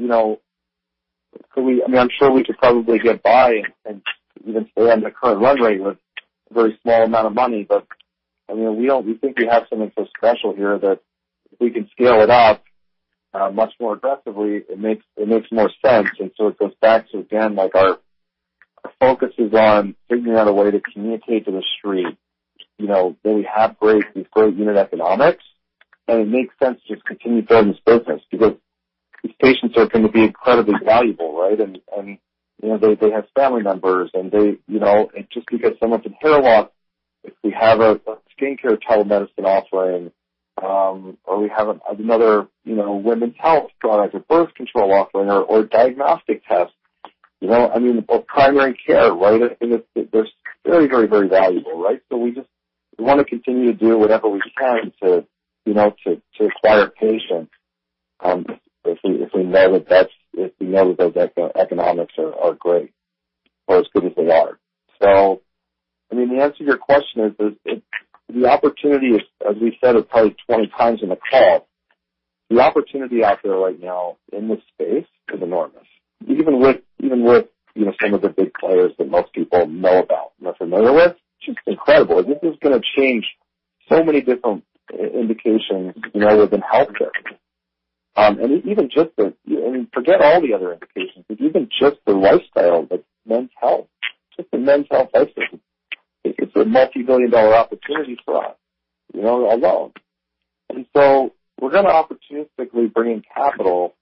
know, I mean, I'm sure we could probably get by and even stay on the current run rate with a very small amount of money, but, I mean, we don't. We think we have something so special here that if we can scale it up much more aggressively, it makes more sense. And so it goes back to, again, like, our focus is on figuring out a way to communicate to the street, you know, that we have these great unit economics, and it makes sense to just continue growing this business because these patients are going to be incredibly valuable, right? You know, they have family members, and they, you know, and just because someone's in hair loss, if we have a skincare telemedicine offering, or we have another, you know, women's health product, or birth control offering or diagnostic tests, you know, I mean, or primary care, right? It's just very, very, very valuable, right? We just wanna continue to do whatever we can to acquire patients if we know that those economics are great or as good as they are. I mean, the answer to your question is that the opportunity is, as we said, probably twenty times in the call, the opportunity out there right now in this space is enormous. Even with, even with, you know, some of the big players that most people know about and are familiar with, it's just incredible. This is gonna change so many different indications, you know, within healthcare. And even just the... I mean, forget all the other indications, but even just the lifestyle, like men's health, just the men's health aspect, it's a multibillion-dollar opportunity for us, you know, alone. And so we're gonna opportunistically bring in capital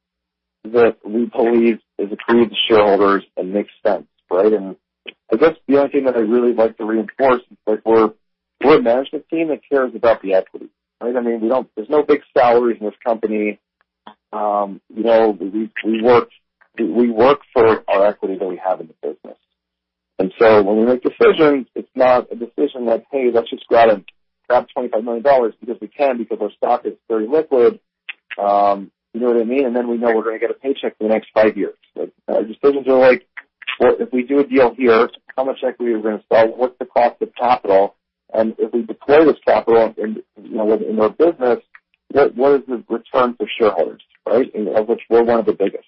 that we believe is accretive to shareholders and makes sense, right? And I guess the only thing that I'd really like to reinforce is like we're a management team that cares about the equity, right? I mean, we don't. There's no big salaries in this company. You know, we work for our equity that we have in the business. When we make decisions, it's not a decision like, "Hey, let's just grab twenty-five million dollars because we can, because our stock is very liquid." You know what I mean? And then we know we're gonna get a paycheck for the next five years. But our decisions are like, "Well, if we do a deal here, how much equity are we gonna sell? What's the cost of capital? And if we deploy this capital in, you know, in our business, what is the return for shareholders, right?" And of which we're one of the biggest.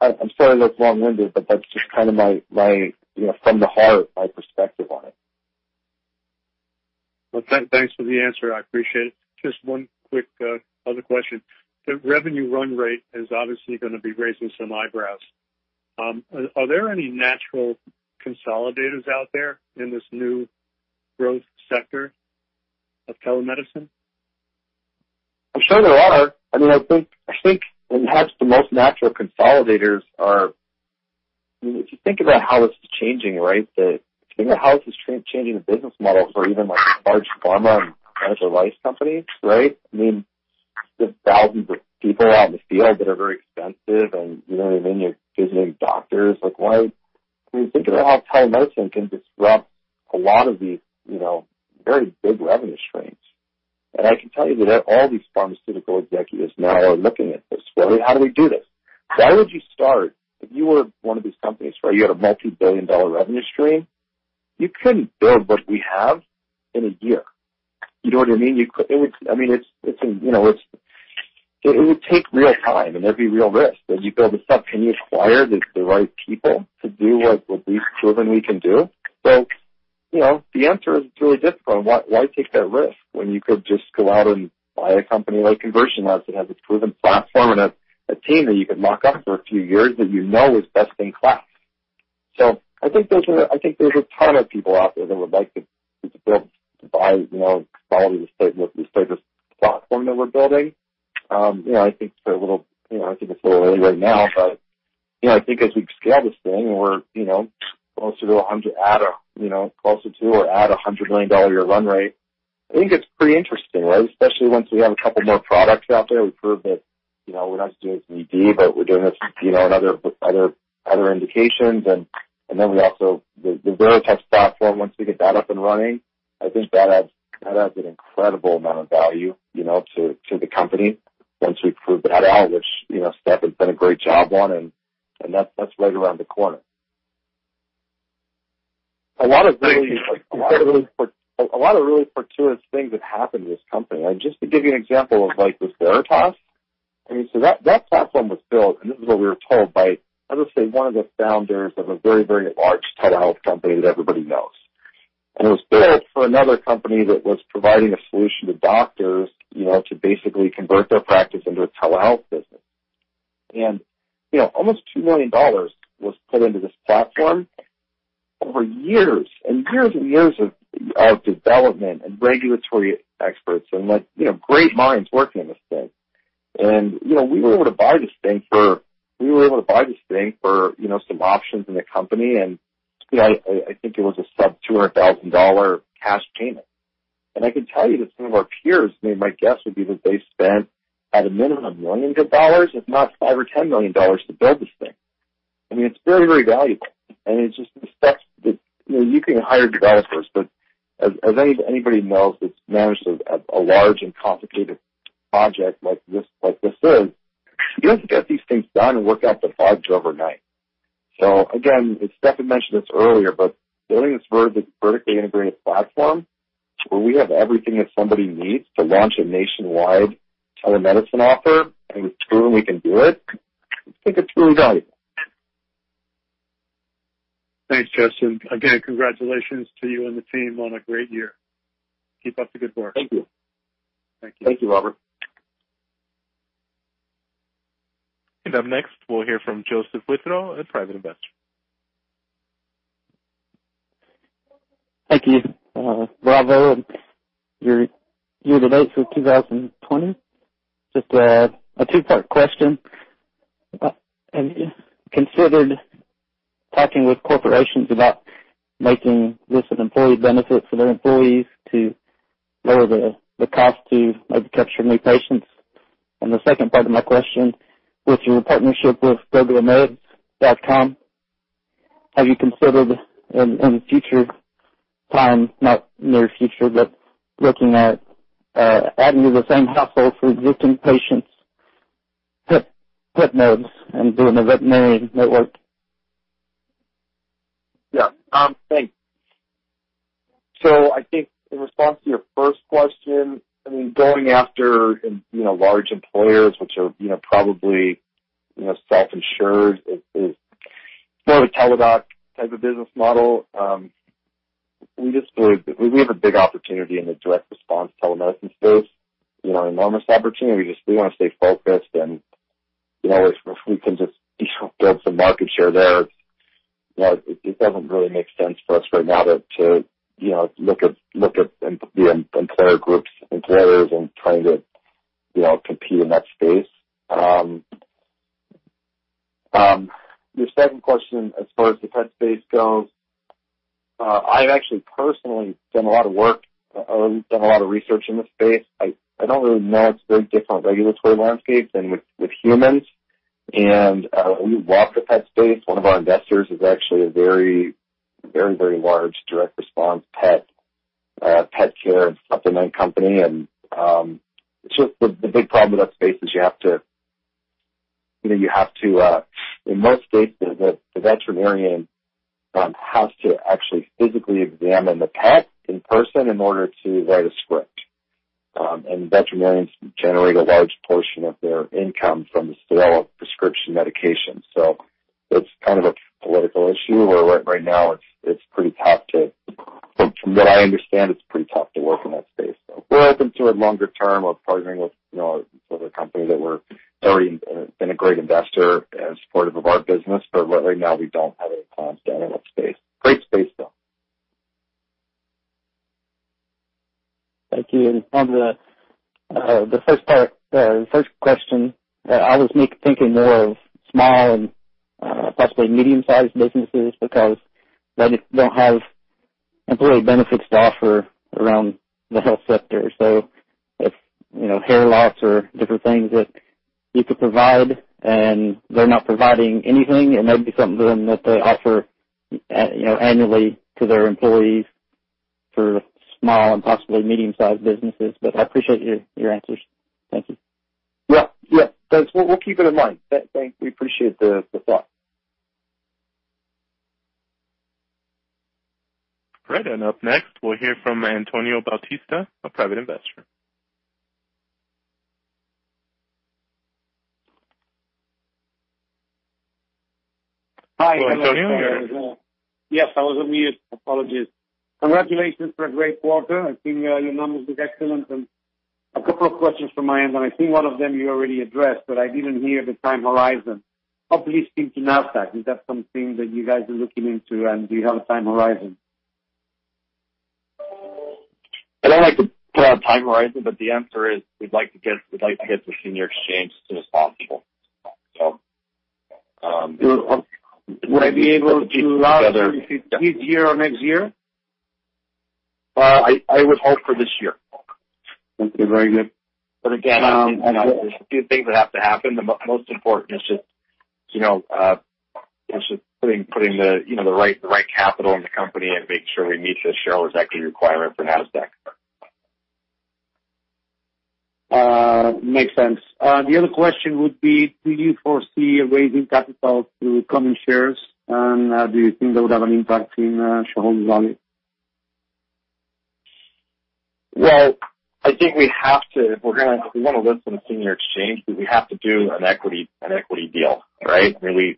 I'm sorry that's long-winded, but that's just kind of my you know from the heart my perspective on it. Thanks for the answer. I appreciate it. Just one quick other question. The revenue run rate is obviously gonna be raising some eyebrows. Are there any natural consolidators out there in this new growth sector of telemedicine? ... I'm sure there are. I mean, I think, I think perhaps the most natural consolidators are, if you think about how this is changing, right? Telehealth is changing the business model for even like large pharma and medical device companies, right? I mean, there's thousands of people out in the field that are very expensive, and you know what I mean? You're visiting doctors. Like, when you think about how telemedicine can disrupt a lot of these, you know, very big revenue streams. And I can tell you that all these pharmaceutical executives now are looking at this going: "How do we do this?" Where would you start if you were one of these companies, right, you had a multi-billion dollar revenue stream? You couldn't build what we have in a year. You know what I mean? I mean, it's, you know, it would take real time and there'd be real risk that you build this up. Can you acquire the right people to do what we've proven we can do? So, you know, the answer is really difficult. And why take that risk when you could just go out and buy a company like Conversion Labs that has a proven platform and a team that you can lock up for a few years that you know is best in class? So I think there's a ton of people out there that would like to build, to buy, you know, quality, this type of platform that we're building. You know, I think they're a little, you know, I think it's a little early right now, but, you know, I think as we scale this thing and we're, you know, closer to or at a $100 million a year run rate, I think it's pretty interesting, right? Especially once we have a couple more products out there. We prove that, you know, we're not just doing ED, but we're doing this, you know, in other, with other indications. And then we also, the VeritasMD platform, once we get that up and running, I think that adds an incredible amount of value, you know, to the company once we prove that out, which, you know, Stefan's done a great job on and that's right around the corner. A lot of really fortuitous things have happened to this company. Just to give you an example of like this VeritasMD, I mean, so that platform was built, and this is what we were told by, let me say, one of the founders of a very, very large telehealth company that everybody knows. It was built for another company that was providing a solution to doctors, you know, to basically convert their practice into a telehealth business. You know, almost $2 million was put into this platform over years and years and years of development and regulatory experts and like, you know, great minds working on this thing. You know, we were able to buy this thing for you know, some options in the company, and I think it was a sub-$200,000 cash payment. I can tell you that some of our peers, I mean, my guess would be that they spent at a minimum millions of dollars, if not $5 million or $10 million, to build this thing. I mean, it's very, very valuable, and it's just the stuff that you know, you can hire developers, but as anybody knows that's managed a large and complicated project like this, you have to get these things done and work out the bugs overnight. Again, and Stefan mentioned this earlier, but building this vertically integrated platform where we have everything that somebody needs to launch a nationwide telemedicine offer, and it's proven we can do it, I think it's really valuable. Thanks, Justin. Again, congratulations to you and the team on a great year. Keep up the good work. Thank you. Thank you. Thank you, Robert. And up next, we'll hear from Joseph Withrow, a private investor. Thank you. Bravo on your year-to-date for two thousand and twenty. Just, a two-part question. Have you considered talking with corporations about making this an employee benefit for their employees to lower the, the cost to capture new patients? And the second part of my question, with your partnership with GoGoMeds.com, have you considered in, in future time, not near future, but looking at, adding to the same household for existing patients, pet, pet meds and building a veterinarian network? Yeah. Thanks. So I think in response to your first question, I mean, going after, you know, large employers, which are, you know, probably, you know, self-insured, is more of a Teladoc type of business model. We just believe we have a big opportunity in the direct response telemedicine space, you know, an enormous opportunity. We just, we want to stay focused and, you know, if we can just, you know, build some market share there, you know, it doesn't really make sense for us right now to, to, you know, look at the employer groups, employers and trying to, you know, compete in that space. Your second question as far as the pet space goes, I've actually personally done a lot of work, or done a lot of research in this space. I don't really know. It's very different regulatory landscapes than with humans. And we walk the pet space. One of our investors is actually a very, very, very large direct response pet pet care supplement company. And so the big problem with that space is you have to, you know, you have to in most states, the veterinarian has to actually physically examine the pet in person in order to write a script. And veterinarians generate a large portion of their income from the sale of prescription medications. So it's kind of a political issue where right now it's pretty tough to... From what I understand, it's pretty tough to work in that space. So we're open to a longer term of partnering with, you know, with a company that we're already been a great investor and supportive of our business, but right now, we don't have any plans to enter that space. Great space, though. ... Thank you. And on the first part, the first question, I was thinking more of small and possibly medium-sized businesses, because they just don't have employee benefits to offer around the health sector. So if, you know, hair loss or different things that you could provide and they're not providing anything, it might be something to them that they offer, you know, annually to their employees for small and possibly medium-sized businesses. But I appreciate your answers. Thank you. Yeah. Thanks. We'll keep it in mind. We appreciate the thought. Great, and up next, we'll hear from Antonio Bautista, a private investor. Hi, Antonio. Yes, I was on mute. Apologies. Congratulations for a great quarter. I think, your numbers look excellent and a couple of questions from my end, and I think one of them you already addressed, but I didn't hear the time horizon. Hopefully, listing on Nasdaq, is that something that you guys are looking into and do you have a time horizon? I don't like to put out a time horizon, but the answer is we'd like to get this in your exchange as soon as possible. So, would I be able to- This year or next year? I would hope for this year. Okay, very good. But again, I know there's a few things that have to happen. The most important is just, you know, putting the, you know, the right capital in the company and making sure we meet the shareholders' equity requirement for Nasdaq. Makes sense. The other question would be, do you foresee raising capital through common shares, and do you think that would have an impact in shareholder value? I think we have to, if we want to list on a senior exchange, we have to do an equity deal, right? I mean,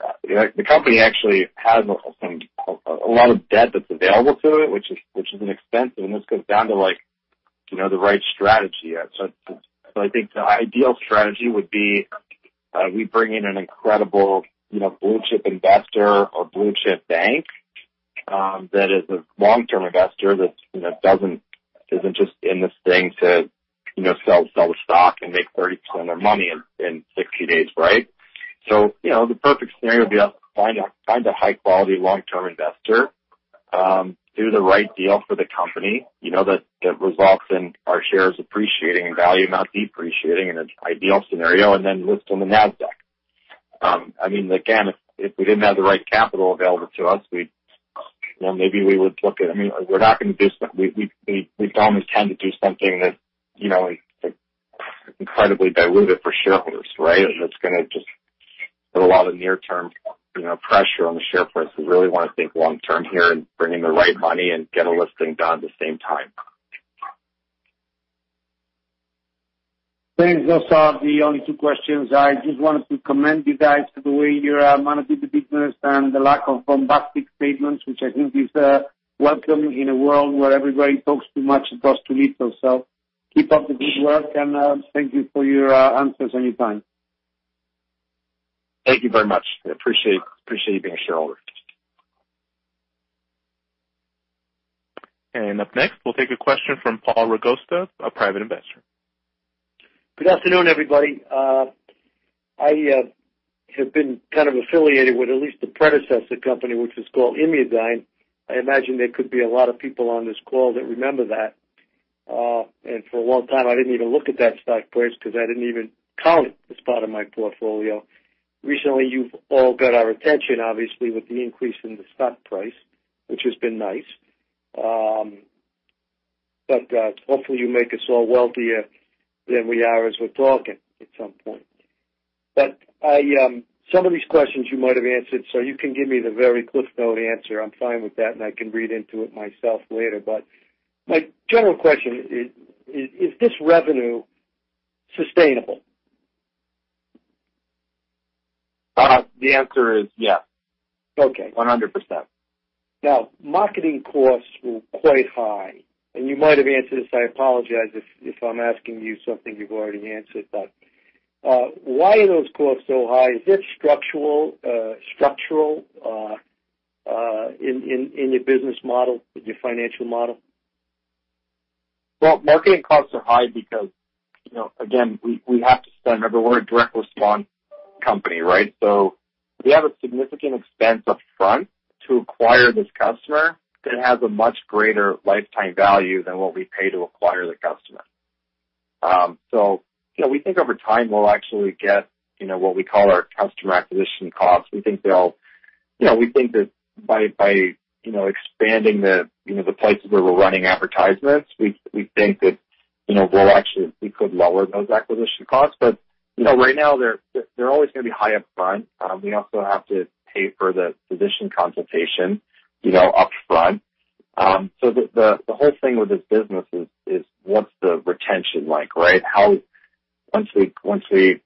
the company actually has a lot of debt that's available to it, which is an expense, and this comes down to, like, you know, the right strategy. So I think the ideal strategy would be we bring in an incredible, you know, blue chip investor or blue chip bank that is a long-term investor that, you know, isn't just in this thing to, you know, sell the stock and make 30% on their money in 60 days, right? So, you know, the perfect scenario would be us find a high quality long-term investor, do the right deal for the company, you know, that results in our shares appreciating in value, not depreciating in an ideal scenario, and then list on the Nasdaq. I mean, again, if we didn't have the right capital available to us, I mean, we're not going to do something- we'd almost tend to do something that, you know, incredibly diluted for shareholders, right? And it's gonna just put a lot of near-term, you know, pressure on the share price. We really want to think long term here and bring in the right money and get a listing done at the same time. Thanks. Those are the only two questions. I just wanted to commend you guys for the way you manage the business and the lack of bombastic statements, which I think is welcome in a world where everybody talks too much across too little. So keep up the good work, and thank you for your answers and your time. Thank you very much. I appreciate being a shareholder. Up next, we'll take a question from Paul Ragosta, a private investor. Good afternoon, everybody. I have been kind of affiliated with at least the predecessor company, which is called Immudyne. I imagine there could be a lot of people on this call that remember that, and for a long time, I didn't even look at that stock price because I didn't even count it as part of my portfolio. Recently, you've all got our attention, obviously, with the increase in the stock price, which has been nice, but, hopefully, you make us all wealthier than we are as we're talking at some point, but I, some of these questions you might have answered, so you can give me the very cliff note answer. I'm fine with that, and I can read into it myself later, but my general question is, is this revenue sustainable? The answer is yes. Okay. 100%. Now, marketing costs were quite high, and you might have answered this. I apologize if I'm asking you something you've already answered, but why are those costs so high? Is it structural in your business model, your financial model? Marketing costs are high because, you know, again, we have to spend. Remember, we're a direct response company, right? So we have a significant expense upfront to acquire this customer that has a much greater lifetime value than what we pay to acquire the customer. So, you know, we think over time, we'll actually get what we call our customer acquisition costs. We think they'll, you know, we think that by expanding the places where we're running advertisements, we think that, you know, we'll actually, we could lower those acquisition costs. But, you know, right now they're always going to be high upfront. We also have to pay for the physician consultation, you know, upfront. So the whole thing with this business is what's the retention like, right?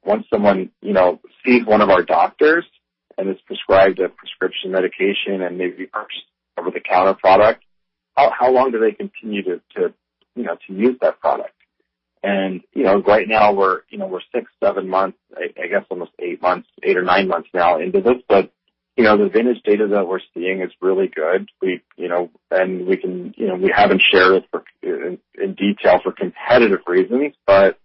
Once someone, you know, sees one of our doctors and is prescribed a prescription medication and maybe first over-the-counter product, how long do they continue to, you know, to use that product? And, you know, right now we're, you know, we're six, seven months, I guess almost eight months, eight or nine months now into this. But, you know, the vintage data that we're seeing is really good. You know, and we can, you know, we haven't shared it in detail for competitive reasons, but,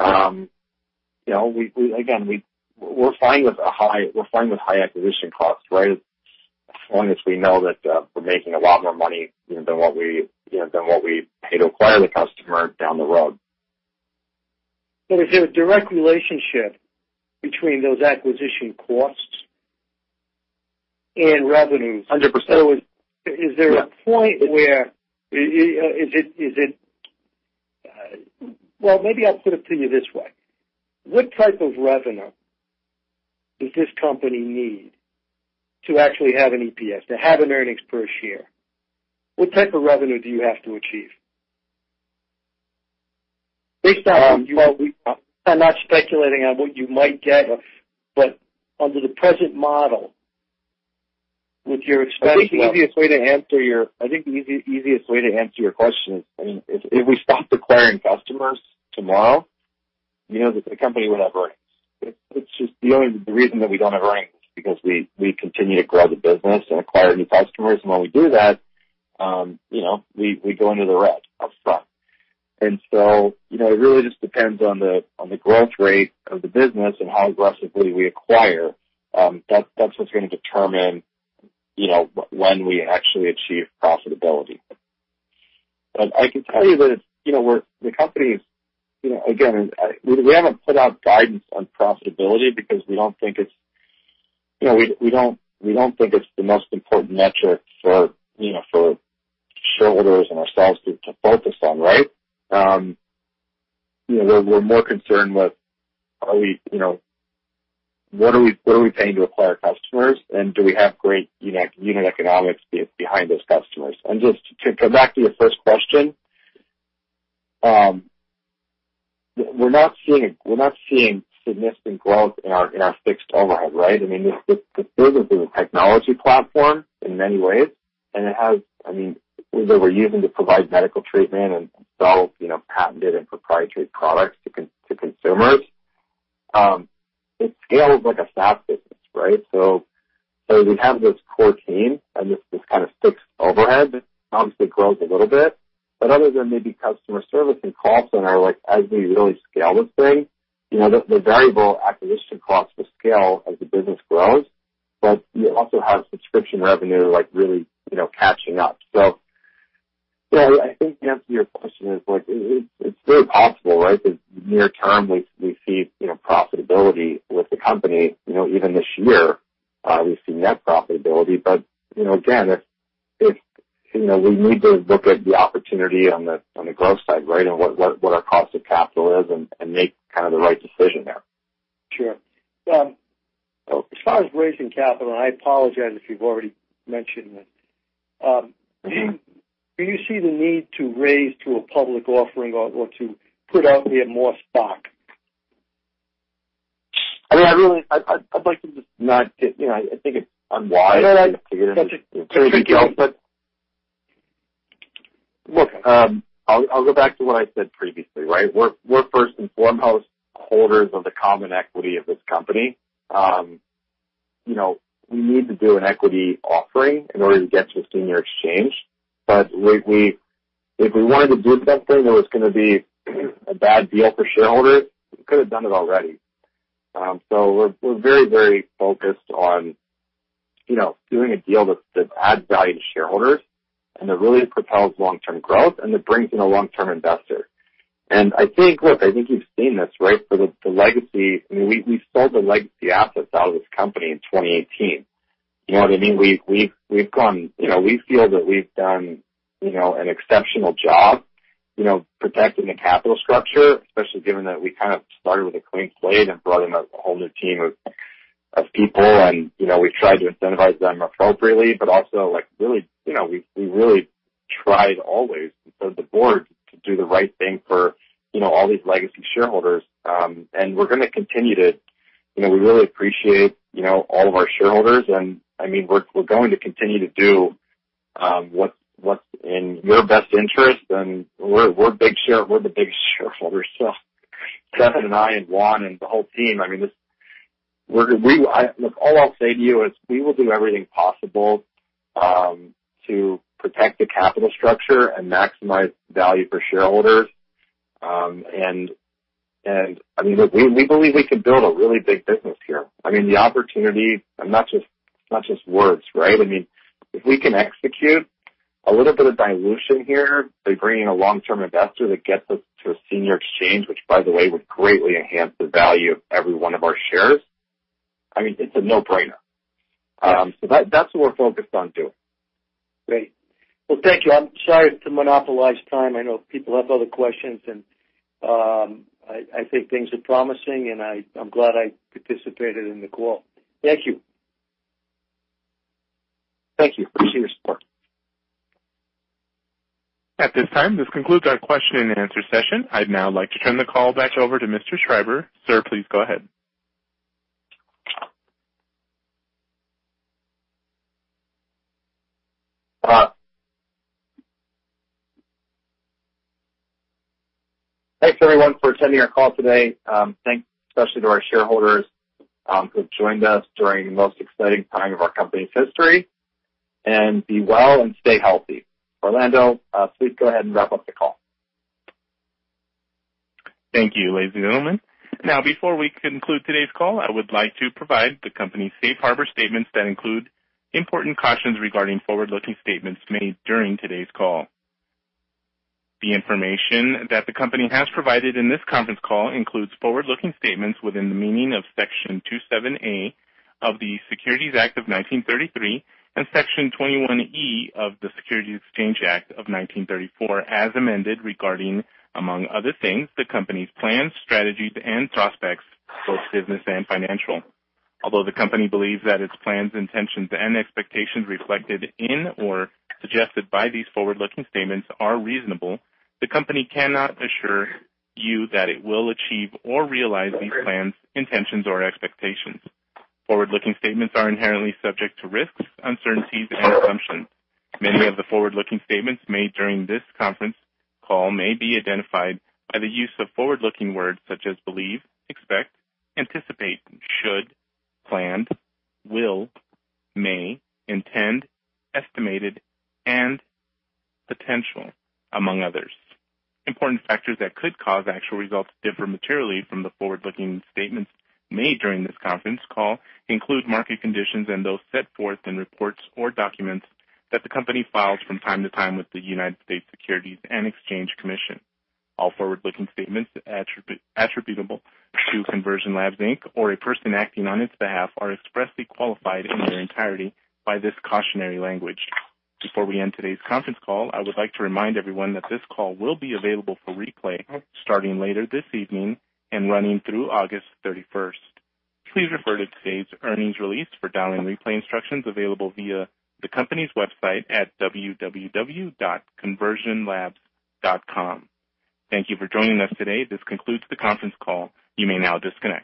you know, we again, we're fine with high acquisition costs, right? As long as we know that, we're making a lot more money than what we, you know, than what we pay to acquire the customer down the road. But is there a direct relationship between those acquisition costs and revenues? Hundred percent. So is there a point where? Well, maybe I'll put it to you this way. What type of revenue does this company need to actually have an EPS, to have an earnings per share? What type of revenue do you have to achieve? Based on what I'm not speculating on what you might get, but under the present model, with your expenses- I think the easiest way to answer your question is, I mean, if we stop acquiring customers tomorrow, you know, the company would have earnings. It's just the only reason that we don't have earnings is because we continue to grow the business and acquire new customers. And when we do that, you know, we go into the red upfront. And so, you know, it really just depends on the growth rate of the business and how aggressively we acquire. That's what's gonna determine, you know, when we actually achieve profitability. But I can tell you that, you know, we're, the company's, you know, again, I, we haven't put out guidance on profitability because we don't think it's, you know, we, we don't, we don't think it's the most important metric for, you know, for shareholders and ourselves to, to focus on, right? You know, we're, we're more concerned with are we, you know, what are we, what are we paying to acquire customers? And do we have great unit, unit economics behind those customers? And just to come back to your first question, we're not seeing significant growth in our, in our fixed overhead, right? I mean, this, this is a technology platform in many ways, and it has. I mean, we're using to provide medical treatment and sell, you know, patented and proprietary products to consumers. It scales like a SaaS business, right? So we have this core team and this kind of fixed overhead obviously grows a little bit, but other than maybe customer service and call center, like, as we really scale this thing, you know, the variable acquisition costs will scale as the business grows, but you also have subscription revenue, like really, you know, catching up. So, yeah, I think the answer to your question is, like, it's very possible, right, that near term we see, you know, profitability with the company, you know, even this year, we've seen net profitability. But, you know, again, if, you know, we need to look at the opportunity on the growth side, right? And what our cost of capital is and make kind of the right decision there. Sure. As far as raising capital, I apologize if you've already mentioned this. Do you see the need to raise to a public offering or to put out yet more stock? I mean, I really... I'd like to just not get, you know, I think it's unwise- No, no, but- Look, I'll go back to what I said previously, right? We're first and foremost holders of the common equity of this company. You know, we need to do an equity offering in order to get to a senior exchange. But if we wanted to do something that was gonna be a bad deal for shareholders, we could have done it already. So we're very, very focused on, you know, doing a deal that adds value to shareholders and that really propels long-term growth, and that brings in a long-term investor. And I think, look, I think you've seen this, right? For the legacy, I mean, we sold the legacy assets out of this company in 2018. You know what I mean? We've gone... You know, we feel that we've done, you know, an exceptional job, you know, protecting the capital structure, especially given that we kind of started with a clean slate and brought in a whole new team of people. And, you know, we tried to incentivize them appropriately, but also like, really, you know, we really tried always, so did the board, to do the right thing for, you know, all these legacy shareholders. And we're gonna continue to, you know, we really appreciate, you know, all of our shareholders. And I mean, we're going to continue to do what's in your best interest, and we're the biggest shareholders. So Kevin and I and Juan and the whole team, I mean, just, look, all I'll say to you is we will do everything possible to protect the capital structure and maximize value for shareholders. And I mean, look, we believe we can build a really big business here. I mean, the opportunity, and not just words, right? I mean, if we can execute a little bit of dilution here by bringing a long-term investor that gets us to a senior exchange, which, by the way, would greatly enhance the value of every one of our shares, I mean, it's a no-brainer. So that, that's what we're focused on doing. Great. Well, thank you. I'm sorry to monopolize time. I know people have other questions, and I think things are promising, and I'm glad I participated in the call. Thank you. Thank you. Appreciate your support. At this time, this concludes our question and answer session. I'd now like to turn the call back over to Mr. Schreiber. Sir, please go ahead.... Thanks everyone for attending our call today. Thanks especially to our shareholders, who have joined us during the most exciting time of our company's history, and be well and stay healthy. Orlando, please go ahead and wrap up the call. Thank you, ladies and gentlemen. Now, before we conclude today's call, I would like to provide the company's safe harbor statements that include important cautions regarding forward-looking statements made during today's call. The information that the company has provided in this conference call includes forward-looking statements within the meaning of Section 27A of the Securities Act of 1933, and Section 21E of the Securities Exchange Act of 1934, as amended, regarding, among other things, the company's plans, strategies, and prospects, both business and financial. Although the company believes that its plans, intentions, and expectations reflected in or suggested by these forward-looking statements are reasonable, the company cannot assure you that it will achieve or realize these plans, intentions, or expectations. Forward-looking statements are inherently subject to risks, uncertainties, and assumptions. Many of the forward-looking statements made during this conference call may be identified by the use of forward-looking words such as believe, expect, anticipate, should, planned, will, may, intend, estimated, and potential, among others. Important factors that could cause actual results to differ materially from the forward-looking statements made during this conference call include market conditions and those set forth in reports or documents that the company files from time to time with the United States Securities and Exchange Commission. All forward-looking statements attributable to Conversion Labs, Inc., or a person acting on its behalf, are expressly qualified in their entirety by this cautionary language. Before we end today's conference call, I would like to remind everyone that this call will be available for replay starting later this evening and running through August thirty-first. Please refer to today's earnings release for dialing replay instructions available via the company's website at www.conversionlabs.com. Thank you for joining us today. This concludes the conference call. You may now disconnect.